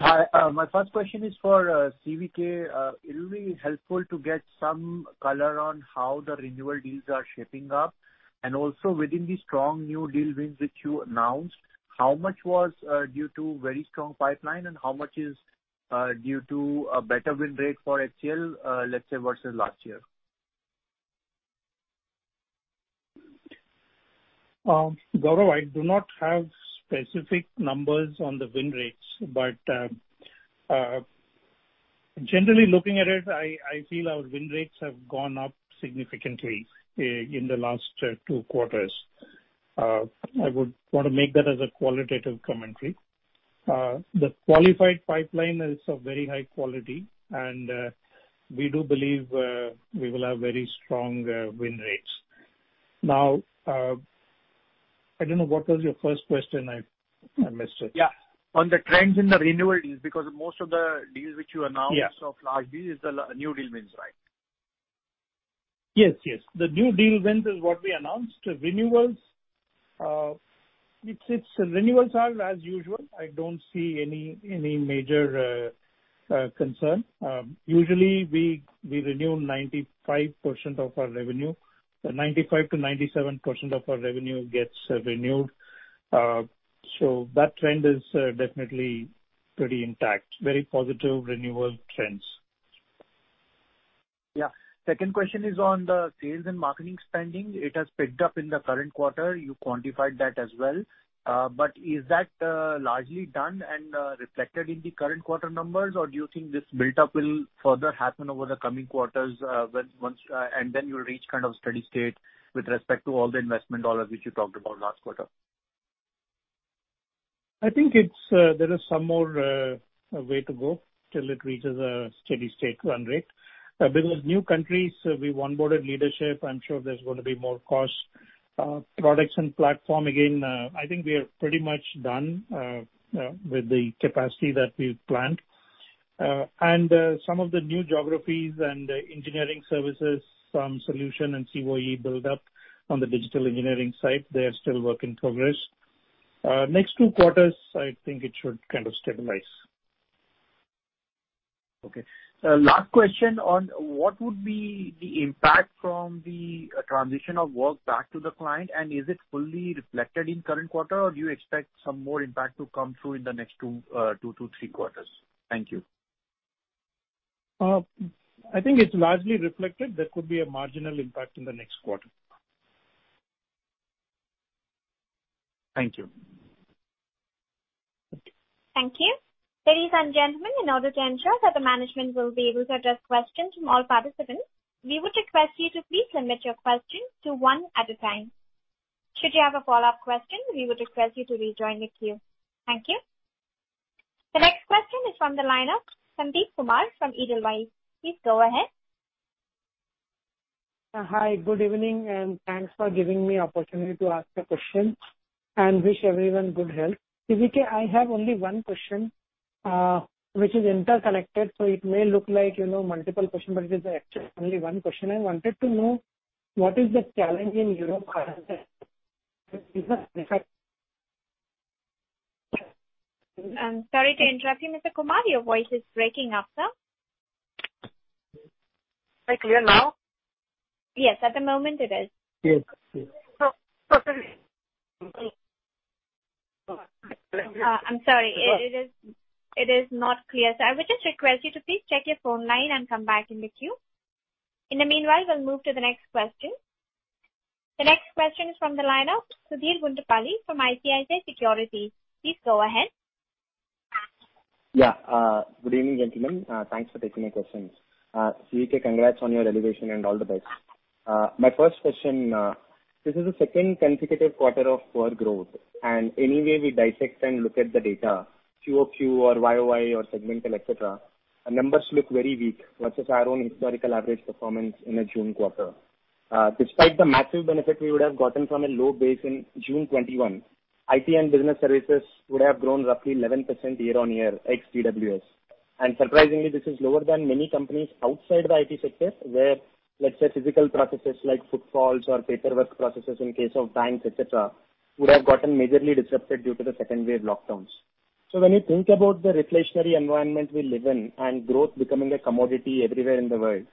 Speaker 6: Hi. My first question is for CVK. It will be helpful to get some color on how the renewal deals are shaping up and also within the strong new deal wins which you announced, how much was due to very strong pipeline and how much is due to a better win rate for HCL, let's say versus last year?
Speaker 3: Gaurav, I do not have specific numbers on the win rates, but generally looking at it, I feel our win rates have gone up significantly in the last two quarters. I would want to make that as a qualitative commentary. The qualified pipeline is of very high quality, and we do believe we will have very strong win rates. I don't know, what was your first question? I missed it.
Speaker 6: Yeah. On the trends in the renewal deals, because most of the deals which you announced of large deals is the new deal wins, right?
Speaker 3: Yes. The new deal wins is what we announced. Renewals are as usual. I don't see any major concern. Usually, we renew 95% of our revenue. 95%-97% of our revenue gets renewed. That trend is definitely pretty intact. Very positive renewal trends.
Speaker 6: Yeah. Second question is on the sales and marketing spending. It has picked up in the current quarter. You quantified that as well. Is that largely done and reflected in the current quarter numbers or do you think this buildup will further happen over the coming quarters and then you'll reach kind of steady state with respect to all the investment dollars which you talked about last quarter?
Speaker 3: I think there is some more way to go till it reaches a steady state run rate. Because new countries, we've onboarded leadership. I'm sure there's going to be more cost. Products and Platforms, again, I think we are pretty much done with the capacity that we've planned. Some of the new geographies and engineering services, some solution and CoE build up on the digital engineering side, they are still work in progress. Next 2 quarters, I think it should kind of stabilize.
Speaker 6: Okay. Last question on what would be the impact from the transition of work back to the client. Is it fully reflected in current quarter, or do you expect some more impact to come through in the next 2-3 quarters? Thank you.
Speaker 3: I think it's largely reflected. There could be a marginal impact in the next quarter.
Speaker 6: Thank you.
Speaker 1: Thank you. Ladies and gentlemen, in order to ensure that the management will be able to address questions from all participants, we would request you to please limit your questions to one at a time. Should you have a follow-up question, we would request you to rejoin the queue. Thank you. The next question is from the line of Sandeep Kumar from Edelweiss. Please go ahead.
Speaker 7: Hi, good evening, and thanks for giving me opportunity to ask a question, and wish everyone good health. CVK, I have only one question, which is interconnected, so it may look like multiple question, but it is actually only one question. I wanted to know what is the challenge in Europe.
Speaker 1: I'm sorry to interrupt you, Mr. Kumar. Your voice is breaking up, sir.
Speaker 7: Am I clear now?
Speaker 1: Yes, at the moment it is.
Speaker 3: Yes.
Speaker 1: I'm sorry. It is not clear, sir. I would just request you to please check your phone line and come back in the queue. In the meanwhile, we'll move to the next question. The next question is from the line of Sudheer Guntupalli from ICICI Securities. Please go ahead.
Speaker 8: Yeah. Good evening, gentlemen. Thanks for taking my questions. CVK, congrats on your elevation, and all the best. My first question. This is the second consecutive quarter of poor growth. Any way we dissect and look at the data, QoQ or YOY or segmental, et cetera, our numbers look very weak versus our own historical average performance in a June quarter. Despite the massive benefit we would have gotten from a low base in June 2021, IT and Business Services would have grown roughly 11% year-on-year ex PWS. Surprisingly, this is lower than many companies outside the IT sector, where, let's say, physical processes like footfalls or paperwork processes in case of banks, et cetera, would have gotten majorly disrupted due to the second wave lockdowns. When you think about the reflationary environment we live in and growth becoming a commodity everywhere in the world,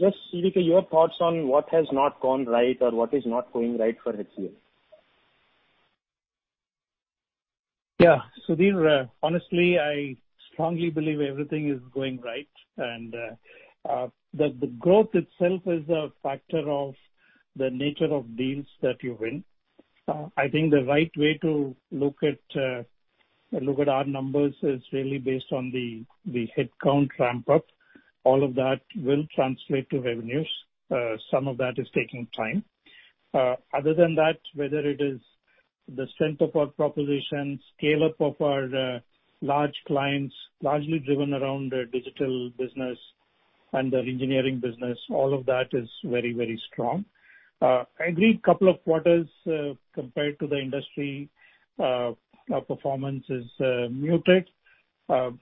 Speaker 8: just CVK, your thoughts on what has not gone right or what is not going right for HCL?
Speaker 3: Sudheer, honestly, I strongly believe everything is going right, and that the growth itself is a factor of the nature of deals that you win. I think the right way to look at our numbers is really based on the headcount ramp up. All of that will translate to revenues. Some of that is taking time. Other than that, whether it is the strength of our proposition, scale-up of our large clients, largely driven around digital business and our engineering business, all of that is very, very strong. I agree, couple of quarters compared to the industry, our performance is muted. It's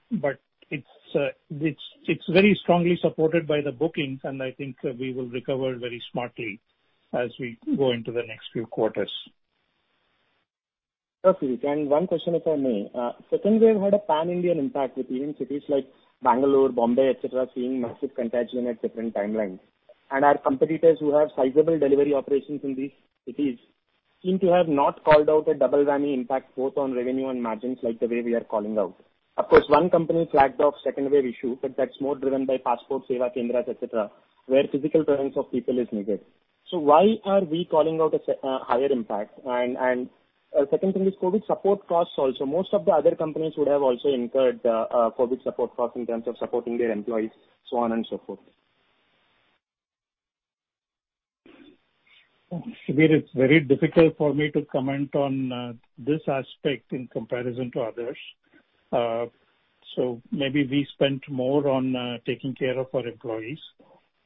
Speaker 3: very strongly supported by the bookings, and I think we will recover very smartly as we go into the next few quarters.
Speaker 8: Sure, CVK. One question, if I may. Second wave had a pan-Indian impact with even cities like Bangalore, Bombay, et cetera, seeing massive contagion at different timelines. Our competitors who have sizable delivery operations in these cities seem to have not called out a double whammy impact both on revenue and margins like the way we are calling out. Of course, one company flagged off second wave issue, but that's more driven by passport, Seva Kendras, et cetera, where physical presence of people is needed. Why are we calling out a higher impact? Second thing is COVID support costs also. Most of the other companies would have also incurred COVID support costs in terms of supporting their employees, so on and so forth.
Speaker 3: Sudheer, it's very difficult for me to comment on this aspect in comparison to others. Maybe we spent more on taking care of our employees.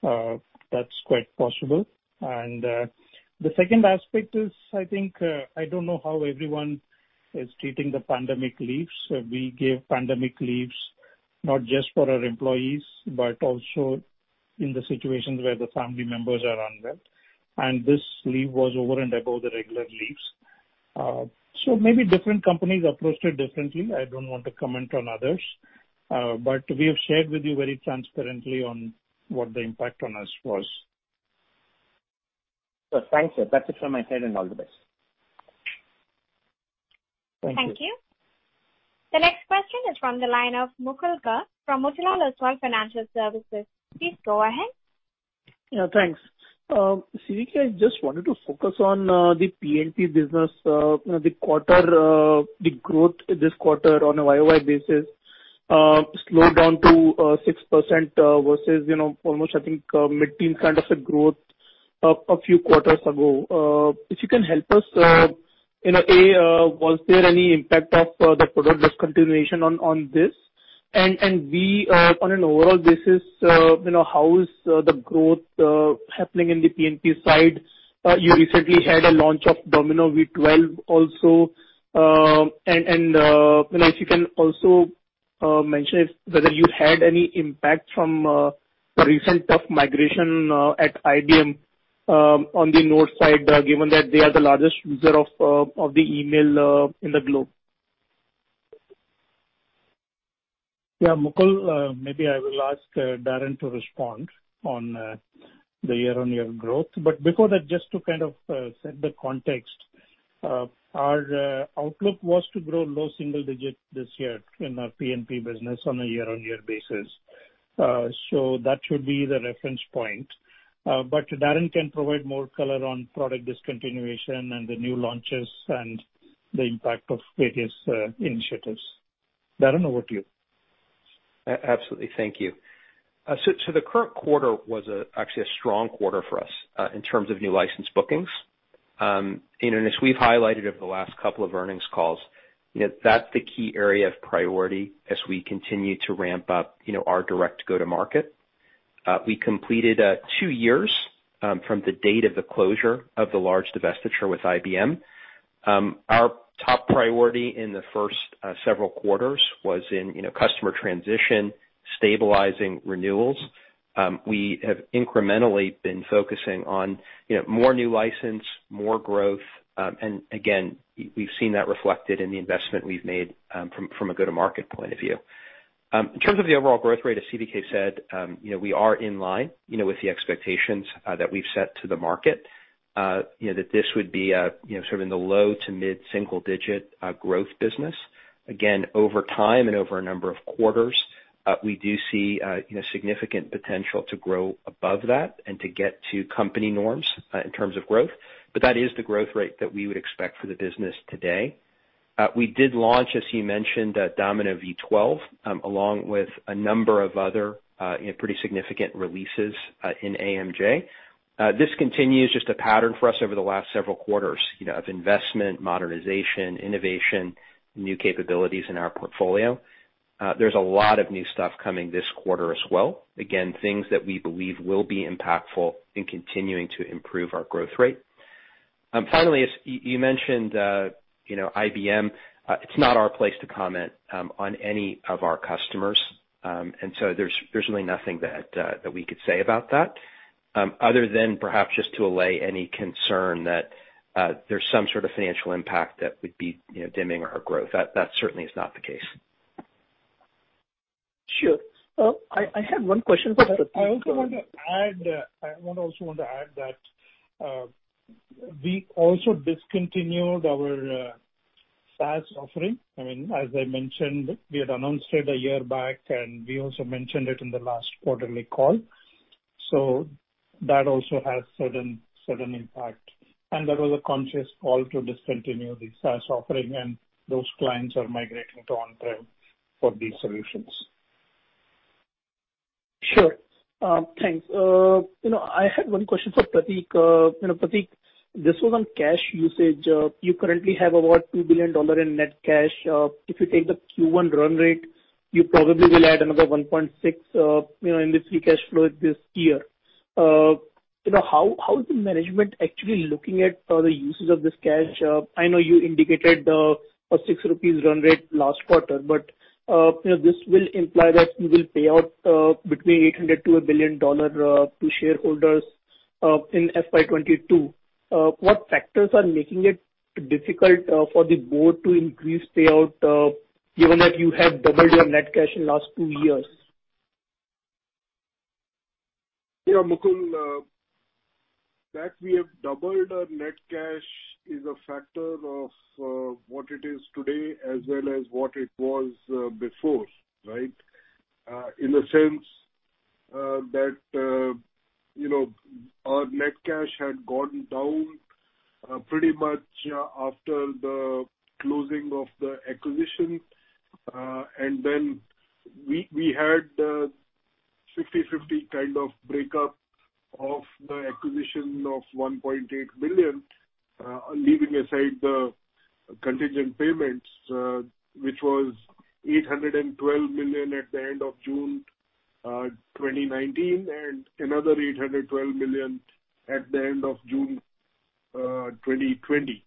Speaker 3: That's quite possible. The second aspect is, I think, I don't know how everyone is treating the pandemic leaves. We gave pandemic leaves not just for our employees, but also in the situations where the family members are unwell. This leave was over and above the regular leaves. Maybe different companies approached it differently. I don't want to comment on others. We have shared with you very transparently on what the impact on us was.
Speaker 8: Sure. Thanks, sir. That's it from my side and all the best.
Speaker 3: Thank you.
Speaker 1: Thank you. The next question is from the line of Mukulika from Motilal Oswal Financial Services. Please go ahead.
Speaker 9: Thanks. CVK, I just wanted to focus on the P&P business. The growth this quarter on a YOY basis slowed down to 6% versus almost, I think, mid-teen kind of a growth a few quarters ago. If you can help us, A, was there any impact of the product discontinuation on this? B, on an overall basis, how is the growth happening in the P&P side? You recently had a launch of Domino V12 also. If you can also mention if whether you had any impact from recent tough migration at IBM on the Notes side, given that they are the largest user of the email in the globe.
Speaker 3: Yeah, Mukul. Maybe I will ask Darren to respond on the year-on-year growth. Before that, just to set the context, our outlook was to grow low single digit this year in our P&P business on a year-on-year basis. That should be the reference point. Darren can provide more color on product discontinuation and the new launches and the impact of various initiatives. Darren, over to you.
Speaker 10: Absolutely. Thank you. The current quarter was actually a strong quarter for us in terms of new license bookings. As we've highlighted over the last couple of earnings calls, that's the key area of priority as we continue to ramp up our direct go-to market. We completed 2 years from the date of the closure of the large divestiture with IBM. Our top priority in the first several quarters was in customer transition, stabilizing renewals. We have incrementally been focusing on more new license, more growth, and again, we've seen that reflected in the investment we've made from a go-to market point of view. In terms of the overall growth rate, as CVK said, we are in line with the expectations that we've set to the market, that this would be sort of in the low to mid single digit growth business. Again, over time and over a number of quarters, we do see significant potential to grow above that and to get to company norms in terms of growth. That is the growth rate that we would expect for the business today. We did launch, as he mentioned, Domino V12, along with a number of other pretty significant releases in AMJ. This continues just a pattern for us over the last several quarters of investment, modernization, innovation, new capabilities in our portfolio. There's a lot of new stuff coming this quarter as well. Again, things that we believe will be impactful in continuing to improve our growth rate. Finally, you mentioned IBM. It's not our place to comment on any of our customers. There's really nothing that we could say about that, other than perhaps just to allay any concern that there's some sort of financial impact that would be dimming our growth. That certainly is not the case.
Speaker 9: Sure. I had one question for Prateek.
Speaker 3: I also want to add that we also discontinued our SaaS offering. As I mentioned, we had announced it a year back, and we also mentioned it in the last quarterly call. That also has certain impact. That was a conscious call to discontinue the SaaS offering, and those clients are migrating to on-prem for these solutions.
Speaker 9: Sure. Thanks. I had one question for Prateek. Prateek, this was on cash usage. You currently have about $2 billion in net cash. If you take the Q1 run rate, you probably will add another $1.6 billion in the free cash flow this year. How is the management actually looking at the usage of this cash? I know you indicated a 6 rupees run rate last quarter, but this will imply that you will pay out between $800 million-$1 billion to shareholders in FY22. What factors are making it difficult for the board to increase payout, given that you have doubled your net cash in last two years?
Speaker 4: Yeah, Mukul, that we have doubled our net cash is a factor of what it is today as well as what it was before, right? In the sense that our net cash had gone down pretty much after the closing of the acquisition. We had 50/50 kind of breakup of the acquisition of $1.8 billion, leaving aside the contingent payments, which was $812 million at the end of June 2019, and another $812 million at the end of June 2020.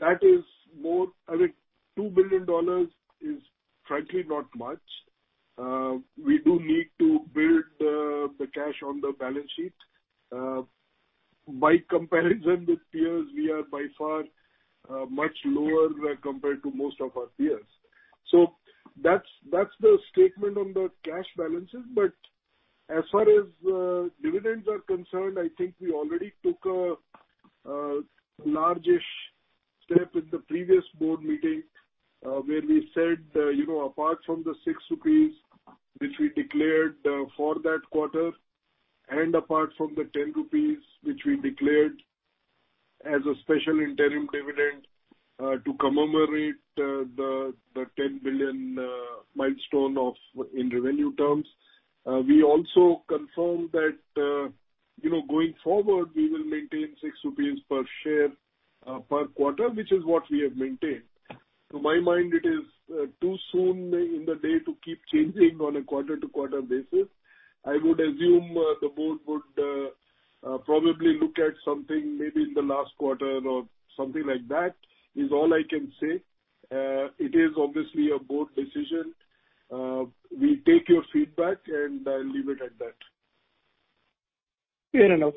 Speaker 4: That is more I think $2 billion is frankly not much. We do need to build the cash on the balance sheet. By comparison with peers, we are by far much lower compared to most of our peers. That's the statement on the cash balances. As far as dividends are concerned, I think we already took a largish step in the previous board meeting, where we said, apart from the 6 rupees, which we declared for that quarter, and apart from the 10 rupees, which we declared as a special interim dividend to commemorate the $10 billion milestone in revenue terms. We also confirmed that, going forward, we will maintain 6 rupees per share per quarter, which is what we have maintained. To my mind, it is too soon in the day to keep changing on a quarter-to-quarter basis. I would assume the board would probably look at something maybe in the last quarter or something like that, is all I can say. It is obviously a board decision. We take your feedback, and I'll leave it at that.
Speaker 9: Fair enough.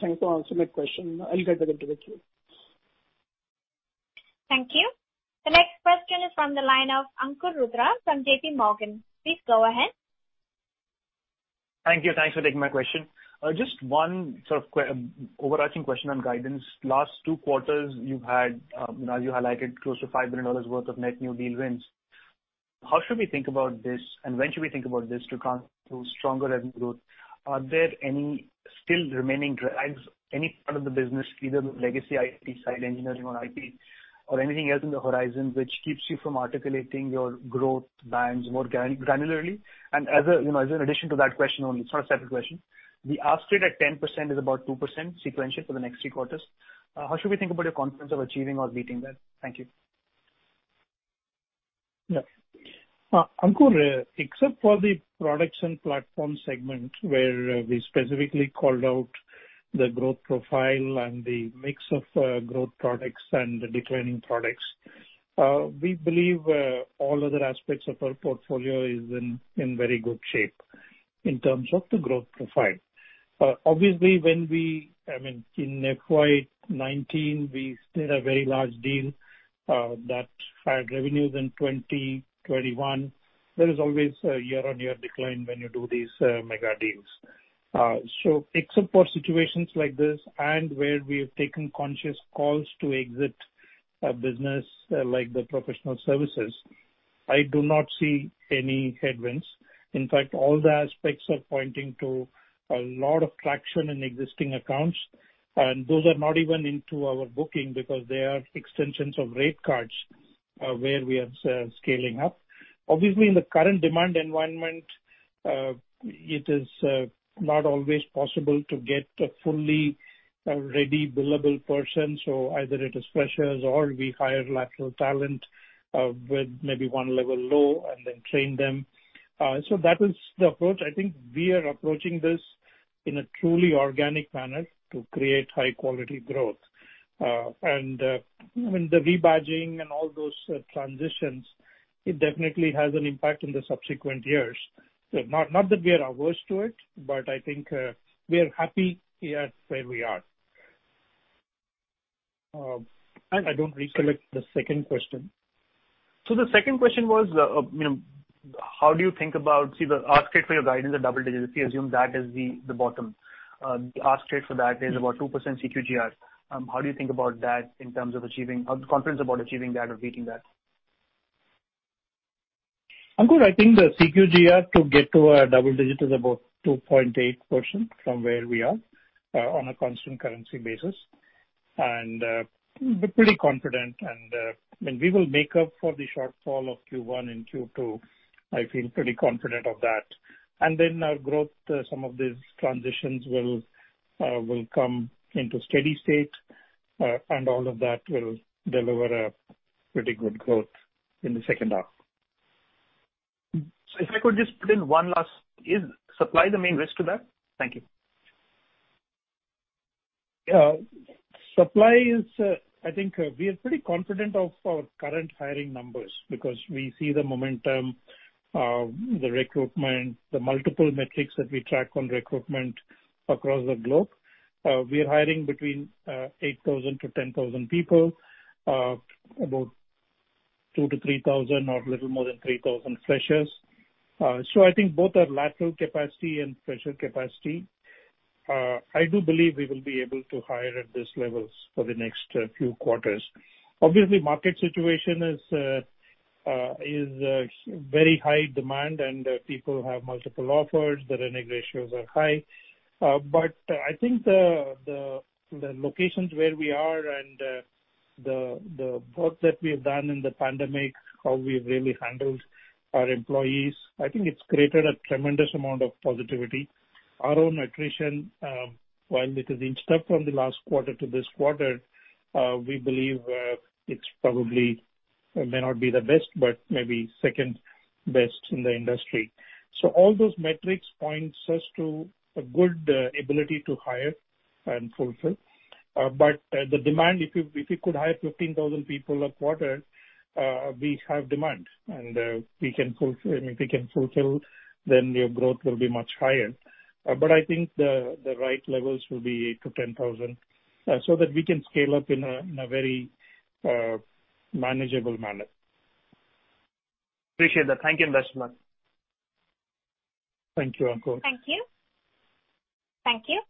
Speaker 9: Thanks for answering that question. I'll get back into the queue.
Speaker 1: Thank you. The next question is from the line of Ankur Rudra from JPMorgan. Please go ahead.
Speaker 11: Thank you. Thanks for taking my question. Just one sort of overarching question on guidance. Last two quarters, you highlighted close to $5 billion worth of net new deal wins. How should we think about this, when should we think about this to stronger revenue growth? Are there any still remaining drags, any part of the business, either the legacy IT side, engineering or IT or anything else in the horizon which keeps you from articulating your growth plans more granularly? As an addition to that question only, it's not a separate question. The ask rate at 10% is about 2% sequential for the next three quarters. How should we think about your confidence of achieving or beating that? Thank you.
Speaker 3: Yeah. Ankur, except for the Products and Platforms segment where we specifically called out the growth profile and the mix of growth products and the declining products. We believe all other aspects of our portfolio is in very good shape in terms of the growth profile. Obviously, in FY 2019, we did a very large deal that had revenues in 2021. There is always a year-on-year decline when you do these mega deals. Except for situations like this and where we have taken conscious calls to exit a business like the professional services, I do not see any headwinds. In fact, all the aspects are pointing to a lot of traction in existing accounts, and those are not even into our booking because they are extensions of rate cards, where we are scaling up. Obviously, in the current demand environment, it is not always possible to get a fully ready billable person, so either it is freshers or we hire lateral talent with maybe one level low and then train them. That is the approach. I think we are approaching this in a truly organic manner to create high-quality growth. The rebadging and all those transitions, it definitely has an impact in the subsequent years. Not that we are averse to it, but I think we are happy here where we are. I don't recollect the second question.
Speaker 11: The second question was, how do you think about the ask rate for your guidance is double digits. If you assume that is the bottom. The ask rate for that is about 2% CQGR. How do you think about that in terms of how the confidence about achieving that or beating that?
Speaker 3: Ankur, I think the CQGR to get to a double-digit is about 2.8% from where we are, on a constant currency basis. We're pretty confident, and we will make up for the shortfall of Q1 and Q2. I feel pretty confident of that. Then our growth, some of these transitions will come into steady state, and all of that will deliver a pretty good growth in the second half.
Speaker 11: If I could just put in one last, is supply the main risk to that? Thank you.
Speaker 3: I think we are pretty confident of our current hiring numbers because we see the momentum of the recruitment, the multiple metrics that we track on recruitment across the globe. We are hiring between 8,000-10,000 people, about 2,000-3,000 or little more than 3,000 freshers. I think both are lateral capacity and fresher capacity. I do believe we will be able to hire at these levels for the next few quarters. Obviously, market situation is very high demand, and people have multiple offers. The renege ratios are high. I think the locations where we are and the work that we have done in the pandemic, how we've really handled our employees, I think it's created a tremendous amount of positivity. Our own attrition, while it has inched up from the last quarter to this quarter, we believe it probably may not be the best, but maybe second best in the industry. All those metrics point us to a good ability to hire and fulfill. The demand, if we could hire 15,000 people a quarter, we have demand, and if we can fulfill, then your growth will be much higher. I think the right levels will be 8,000-10,000, so that we can scale up in a very manageable manner.
Speaker 11: Appreciate that. Thank you,. C. Vijayakumar.
Speaker 3: Thank you, Ankur.
Speaker 1: Thank you. Thank you.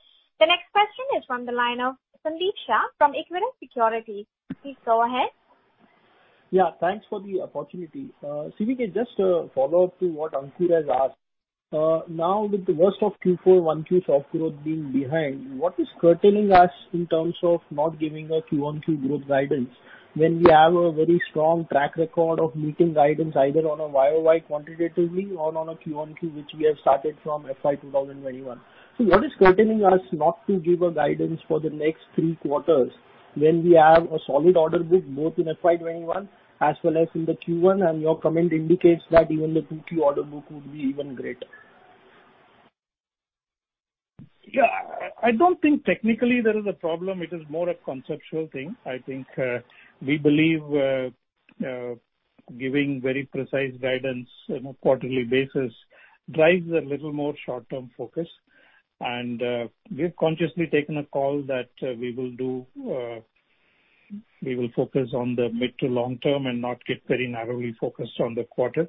Speaker 1: The next question is from the line of Sandeep Shah from Equirus Securities. Please go ahead.
Speaker 12: Yeah, thanks for the opportunity. CVK, just a follow-up to what Ankur Rudra has asked. Now with the worst of Q4, Q1 soft growth being behind, what is curtailing us in terms of not giving a Q1/Q2 growth guidance when we have a very strong track record of meeting guidance either on a year-over-year quantitatively or on a Q1/Q2, which we have started from FY 2021? What is curtailing us not to give a guidance for the next three quarters when we have a solid order book both in FY 2021 as well as in the Q1, and your comment indicates that even the Q2 order book would be even greater.
Speaker 3: Yeah. I don't think technically there is a problem. It is more a conceptual thing. I think we believe giving very precise guidance on a quarterly basis drives a little more short-term focus. We've consciously taken a call that we will focus on the mid to long-term and not get very narrowly focused on the quarter.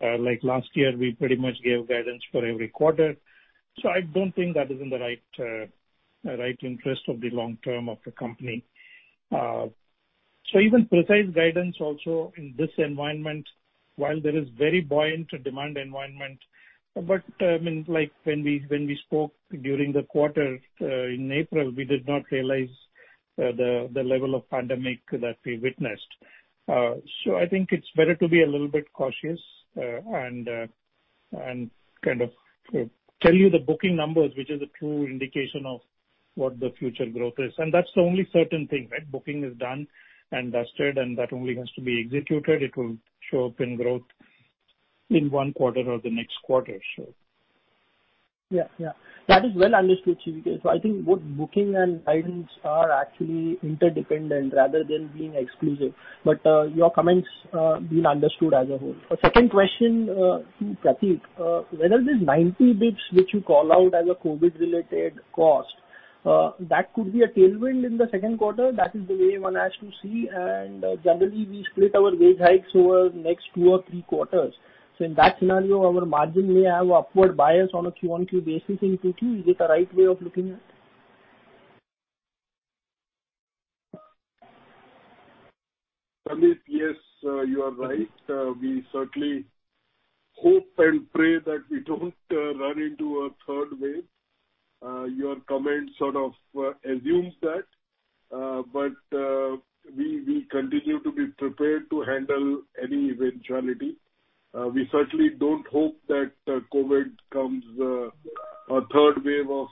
Speaker 3: Like last year, we pretty much gave guidance for every quarter. I don't think that is in the right interest of the long-term of the company. Even precise guidance also in this environment, while there is very buoyant demand environment, but when we spoke during the quarter in April, we did not realize the level of pandemic that we witnessed. I think it's better to be a little bit cautious and kind of tell you the booking numbers, which is a true indication of what the future growth is. That's the only certain thing, right? Booking is done and dusted. That only has to be executed. It will show up in growth in 1 quarter or the next quarter.
Speaker 12: Yeah. That is well understood, CVK. I think both booking and guidance are actually interdependent rather than being exclusive. Your comment's been understood as a whole. Second question to Prateek. Whether this 90 basis points, which you call out as a COVID-related cost, that could be a tailwind in the second quarter. That is the way one has to see, and generally, we split our wage hikes over the next 2 or 3 quarters. In that scenario, our margin may have upward bias on a Q1/Q2 basis in Q2. Is it the right way of looking at it?
Speaker 4: Sandeep, yes, you are right. We certainly hope and pray that we don't run into a third wave. Your comment sort of assumes that. We continue to be prepared to handle any eventuality. We certainly don't hope that a third wave of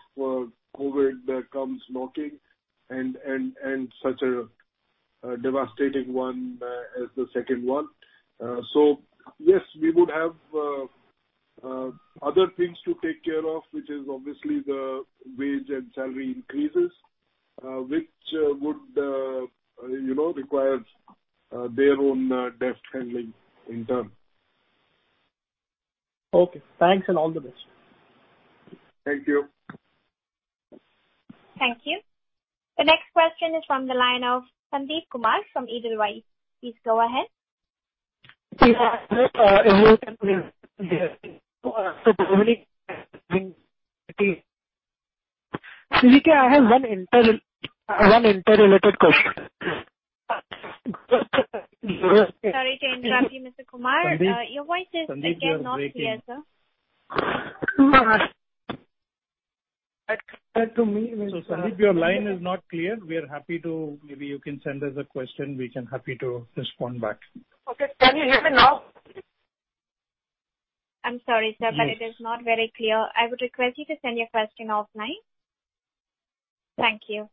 Speaker 4: COVID comes knocking and such a devastating one as the second one. Yes, we would have other things to take care of, which is obviously the wage and salary increases, which would require their own deft handling in turn.
Speaker 12: Okay. Thanks and all the best.
Speaker 4: Thank you.
Speaker 1: Thank you. The next question is from the line of Sandeep Kumar from Edelweiss. Please go ahead.
Speaker 7: CVK, I have one interrelated question.
Speaker 1: Sorry to interrupt you, Mr. Kumar. Your voice is again not clear, sir.
Speaker 3: Sandeep, you are breaking. Sandeep, your line is not clear. Maybe you can send us a question, we can happy to respond back.
Speaker 7: Okay. Can you hear me now?
Speaker 1: I'm sorry, sir, but it is not very clear. I would request you to send your question offline. Thank you.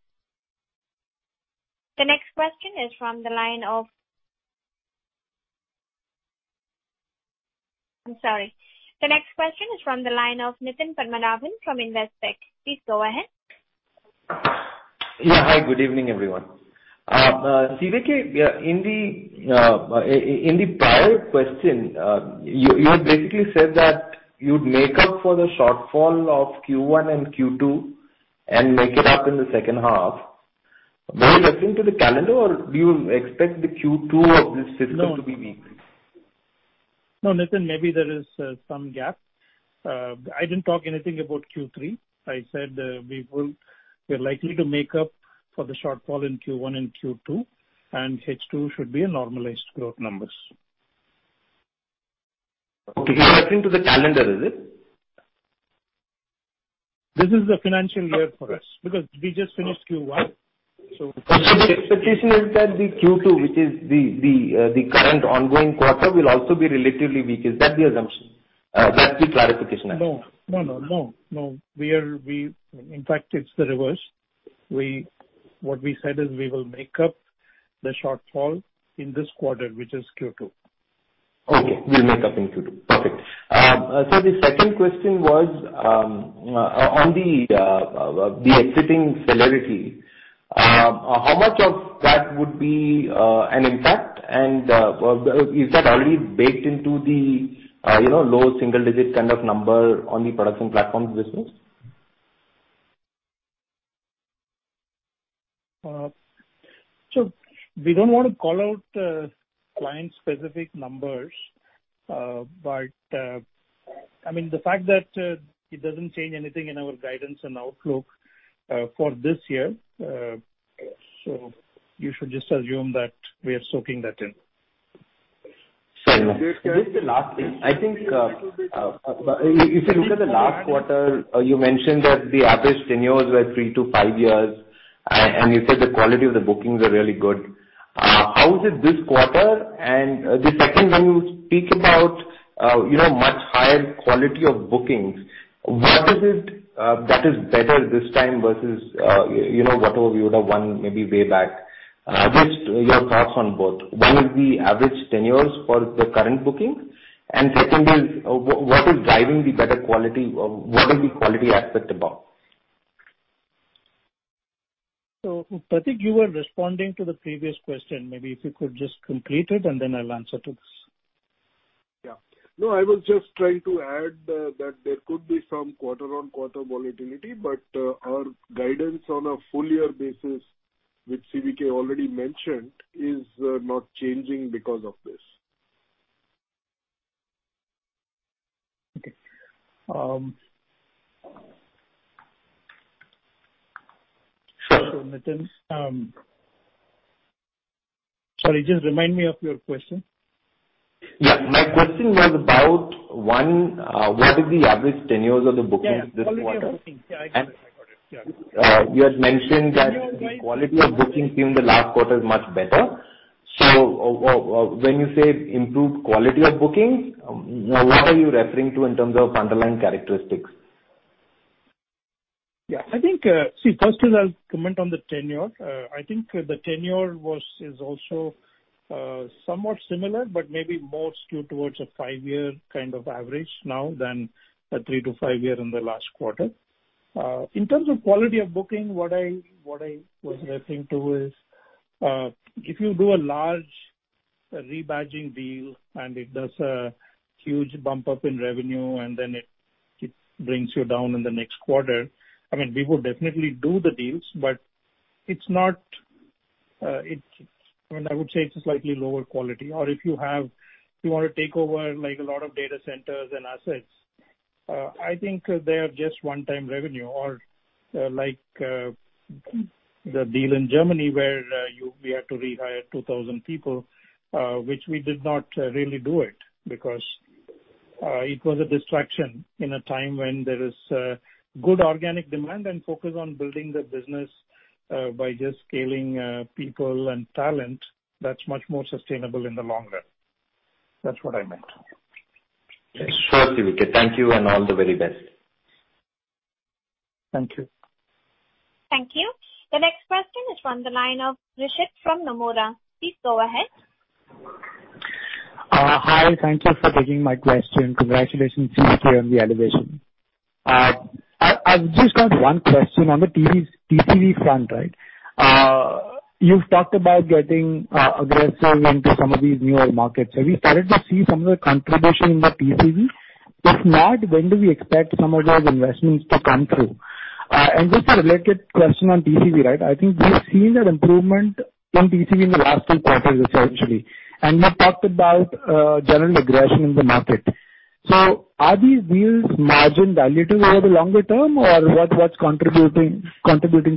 Speaker 1: The next question is from the line of Nitin Padmanabhan from Investec. Please go ahead.
Speaker 13: Yeah. Hi, good evening, everyone. CVK, in the prior question, you had basically said that you'd make up for the shortfall of Q1 and Q2 and make it up in the second half. Were you referring to the calendar, or do you expect the Q2 of this fiscal to be weak?
Speaker 3: No, Nitin, maybe there is some gap. I didn't talk anything about Q3. I said we're likely to make up for the shortfall in Q1 and Q2, and H2 should be normalized growth numbers.
Speaker 13: Okay. You're referring to the calendar, is it?
Speaker 3: This is the financial year for us because we just finished Q1.
Speaker 13: The expectation is that the Q2, which is the current ongoing quarter, will also be relatively weak. Is that the assumption? That's the clarification I need.
Speaker 3: No. In fact, it's the reverse. What we said is we will make up the shortfall in this quarter, which is Q2.
Speaker 13: Okay. Will make up in Q2. Perfect. Sir, the second question was, on the exiting Celeriti, how much of that would be an impact and is that already baked into the low single digit kind of number on the Products & Platforms business?
Speaker 3: We don't want to call out client-specific numbers. The fact that it doesn't change anything in our guidance and outlook for this year. You should just assume that we are soaking that in.
Speaker 13: Sure. Just the last thing. I think if you look at the last quarter, you mentioned that the average tenures were 3 to 5 years, and you said the quality of the bookings are really good. How is it this quarter? The second one, you speak about much higher quality of bookings. What is it that is better this time versus whatever you would have won maybe way back? Just your thoughts on both. One is the average tenures for the current bookings. Second is, what is driving the better quality? What is the quality aspect about?
Speaker 3: Prateek, you were responding to the previous question. Maybe if you could just complete it, and then I'll answer to this.
Speaker 4: Yeah. No, I was just trying to add that there could be some quarter-on-quarter volatility. Our guidance on a full year basis, which CVK already mentioned, is not changing because of this.
Speaker 3: Okay. Nitin, sorry, just remind me of your question.
Speaker 13: Yeah. My question was about, one, what is the average tenures of the bookings this quarter?
Speaker 3: Yeah. Quality of booking. Yeah, I got it.
Speaker 13: You had mentioned that the quality of booking in the last quarter is much better. When you say improved quality of bookings, what are you referring to in terms of underlying characteristics?
Speaker 3: Yeah. See, firstly, I'll comment on the tenure. I think the tenure is also somewhat similar, but maybe more skewed towards a five-year kind of average now than a three-to-five-year in the last quarter. In terms of quality of booking, what I was referring to is, if you do a large rebadging deal and it does a huge bump up in revenue and then it brings you down in the next quarter. We would definitely do the deals, but I would say it's a slightly lower quality or if you want to take over a lot of data centers and assets. I think they are just one time revenue or like the deal in Germany where we had to rehire 2,000 people, which we did not really do it because, it was a distraction in a time when there is good organic demand and focus on building the business, by just scaling people and talent, that's much more sustainable in the long run. That's what I meant.
Speaker 13: Sure, CVK. Thank you and all the very best.
Speaker 3: Thank you.
Speaker 1: Thank you. The next question is from the line of Rishit from Nomura. Please go ahead.
Speaker 14: Hi. Thank you for taking my question. Congratulations to you today on the elevation. I just have 1 question on the TCV front. You've talked about getting aggressive into some of these newer markets. Have you started to see some of the contribution in the TCV? If not, when do we expect some of those investments to come through? Just a related question on TCV. I think we've seen an improvement in TCV in the last 2 quarters essentially. You talked about general aggression in the market. Are these deals margin dilutive over the longer term or what's contributing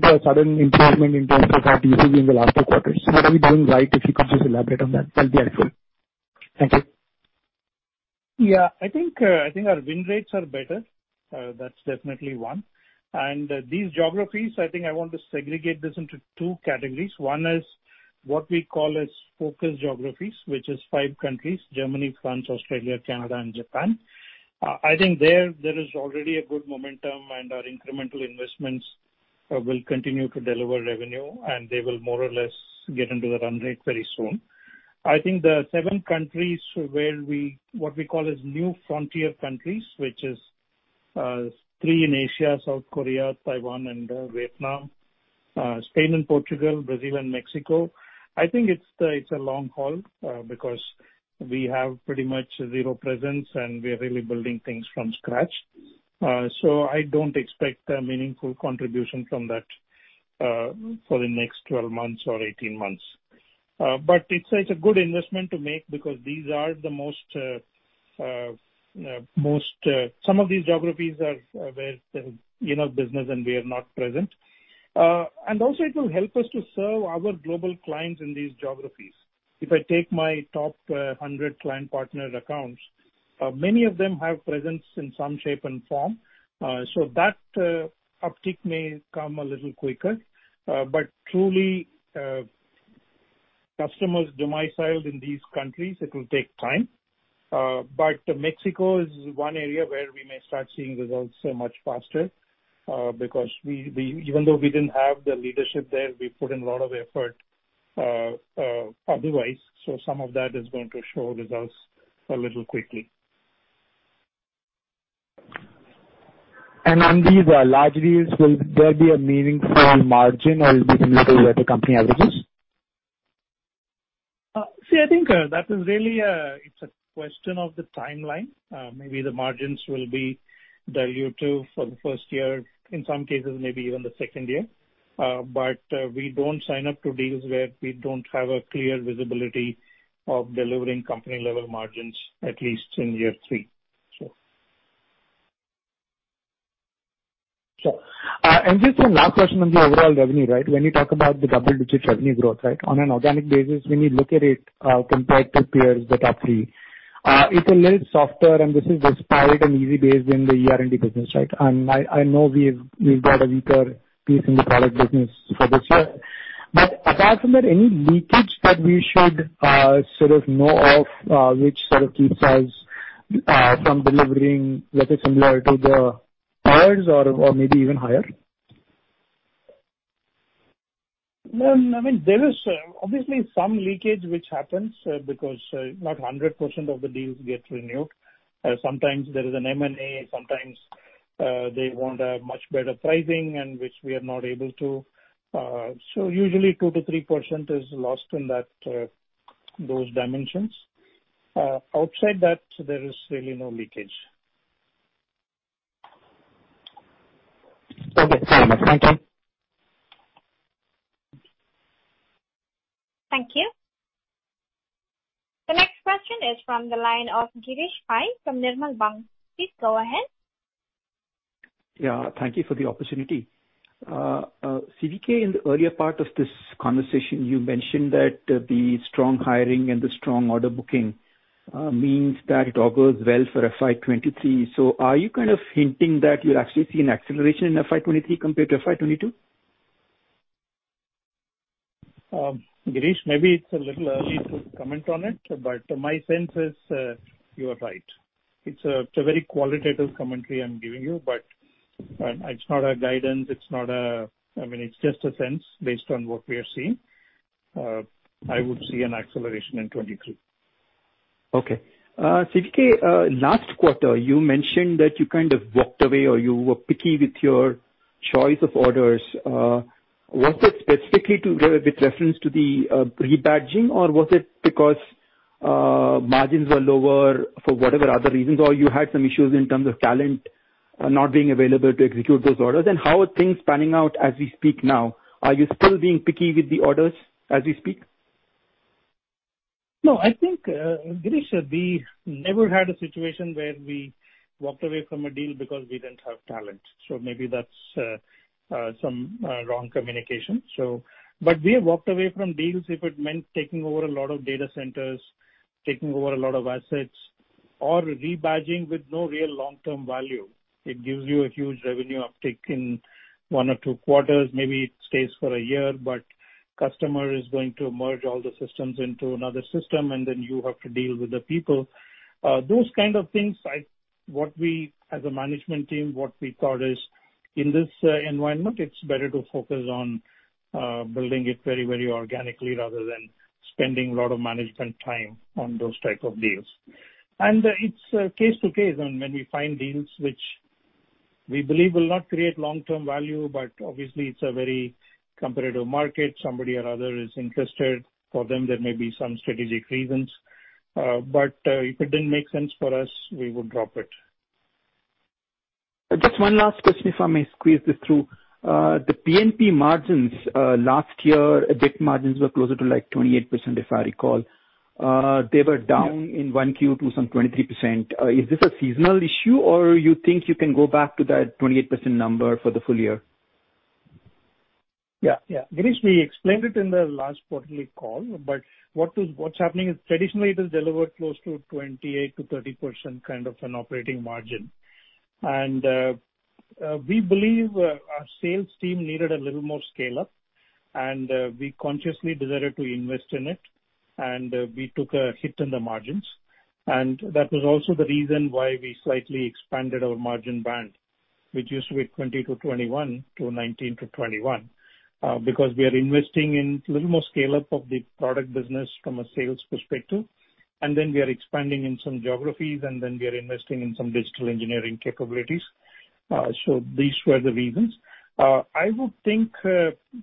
Speaker 14: to a sudden improvement in terms of that TCV in the last 2 quarters? What are we doing right? If you could just elaborate on that'll be helpful. Thank you.
Speaker 3: Our win rates are better. That's definitely one. These geographies, I want to segregate this into two categories. One is what we call as focus geographies, which is five countries, Germany, France, Australia, Canada and Japan. There is already a good momentum and our incremental investments will continue to deliver revenue and they will more or less get into the run rate very soon. The seven countries what we call as new frontier countries, which is three in Asia, South Korea, Taiwan and Vietnam, Spain and Portugal, Brazil and Mexico. It's a long haul because we have pretty much zero presence and we are really building things from scratch. I don't expect a meaningful contribution from that for the next 12 months or 18 months. It's a good investment to make because some of these geographies are where business and we are not present. Also it will help us to serve our global clients in these geographies. If I take my top 100 client partner accounts, many of them have presence in some shape and form. That uptick may come a little quicker. Truly, customers domiciled in these countries, it will take time. Mexico is one area where we may start seeing results much faster, because even though we didn't have the leadership there, we put in a lot of effort otherwise. Some of that is going to show results a little quickly.
Speaker 14: On these large deals, will there be a meaningful margin or will this be similar to company averages?
Speaker 3: See, I think that it's a question of the timeline. Maybe the margins will be dilutive for the first year, in some cases, maybe even the second year. We don't sign up to deals where we don't have a clear visibility of delivering company-level margins, at least in year three.
Speaker 14: Sure. Just a last question on the overall revenue, right? When you talk about the double-digit revenue growth, on an organic basis, when you look at it compared to peers that are free, it's a little softer, and this is despite an easy base in the ER&D business, right? I know we've got a weaker piece in the product business for this year. Apart from that, any leakage that we should sort of know of, which sort of keeps us from delivering, let's say, similar to the peers or maybe even higher?
Speaker 3: No, there is obviously some leakage which happens, because not 100% of the deals get renewed. Sometimes there is an M&A, sometimes they want a much better pricing and which we are not able to. Usually 2%-3% is lost in those dimensions. Outside that, there is really no leakage.
Speaker 14: Okay. Thank you so much. Thank you.
Speaker 1: Thank you. The next question is from the line of Girish Pai from Nirmal Bang. Please go ahead.
Speaker 15: Yeah. Thank you for the opportunity. CVK, in the earlier part of this conversation, you mentioned that the strong hiring and the strong order booking means that it all goes well for FY 2023. Are you kind of hinting that you'll actually see an acceleration in FY 2023 compared to FY 2022?
Speaker 3: Girish, maybe it's a little early to comment on it, but my sense is, you are right. It's a very qualitative commentary I'm giving you, but it's not a guidance. It's just a sense based on what we are seeing. I would see an acceleration in 2023.
Speaker 15: Okay. CVK, last quarter, you mentioned that you kind of walked away, or you were picky with your choice of orders. Was it specifically with reference to the rebadging, or was it because margins were lower for whatever other reasons, or you had some issues in terms of talent not being available to execute those orders? How are things panning out as we speak now? Are you still being picky with the orders as we speak?
Speaker 3: I think, Girish, we never had a situation where we walked away from a deal because we didn't have talent. Maybe that's some wrong communication. We have walked away from deals if it meant taking over a lot of data centers, taking over a lot of assets, or rebadging with no real long-term value. It gives you a huge revenue uptick in one or two quarters. Maybe it stays for a year, customer is going to merge all the systems into another system, and then you have to deal with the people. Those kind of things, as a management team, what we thought is, in this environment, it's better to focus on building it very organically, rather than spending a lot of management time on those type of deals. It's case to case on when we find deals which we believe will not create long-term value. Obviously, it's a very competitive market. Somebody or other is interested. For them, there may be some strategic reasons. If it didn't make sense for us, we would drop it.
Speaker 15: Just 1 last question, if I may squeeze this through. The P&P margins. Last year, EBIT margins were closer to, like, 28%, if I recall. They were down in 1Q to some 23%. Is this a seasonal issue, or you think you can go back to that 28% number for the full year?
Speaker 3: Yeah. Girish, we explained it in the last quarterly call. What's happening is traditionally it has delivered close to 28%-30% kind of an operating margin. We believe our sales team needed a little more scale-up, and we consciously decided to invest in it, and we took a hit in the margins. That was also the reason why we slightly expanded our margin band, which used to be 20-21, to 19-21. Because we are investing in little more scale-up of the product business from a sales perspective, and then we are expanding in some geographies, and then we are investing in some digital engineering capabilities. These were the reasons. I would think,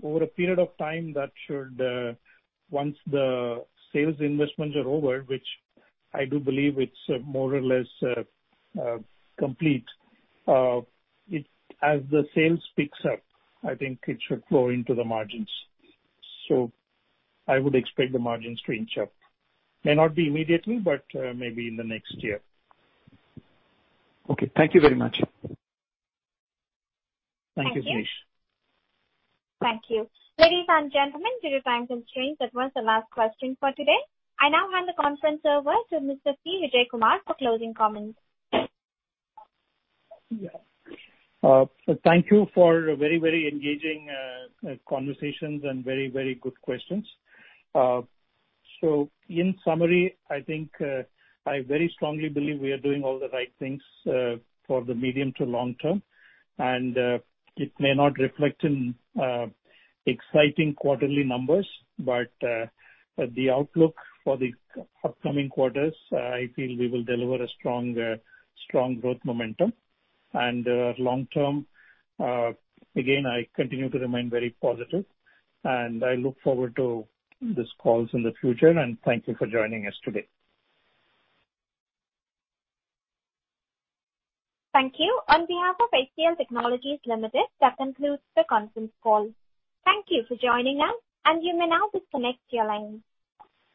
Speaker 3: over a period of time, once the sales investments are over, which I do believe it's more or less complete, as the sales picks up, I think it should flow into the margins. I would expect the margins to inch up. May not be immediately, but maybe in the next year.
Speaker 15: Okay. Thank you very much.
Speaker 3: Thank you, Girish.
Speaker 1: Thank you. Ladies and gentlemen, due to time constraints, that was the last question for today. I now hand the conference over to Mr. C. Vijayakumar for closing comments.
Speaker 3: Thank you for very engaging conversations and very good questions. In summary, I very strongly believe we are doing all the right things for the medium to long term. It may not reflect in exciting quarterly numbers, but the outlook for the upcoming quarters, I feel we will deliver a strong growth momentum. Long term, again, I continue to remain very positive, and I look forward to these calls in the future. Thank you for joining us today.
Speaker 1: Thank you. On behalf of HCL Technologies Limited, that concludes the conference call. Thank you for joining us, and you may now disconnect your line.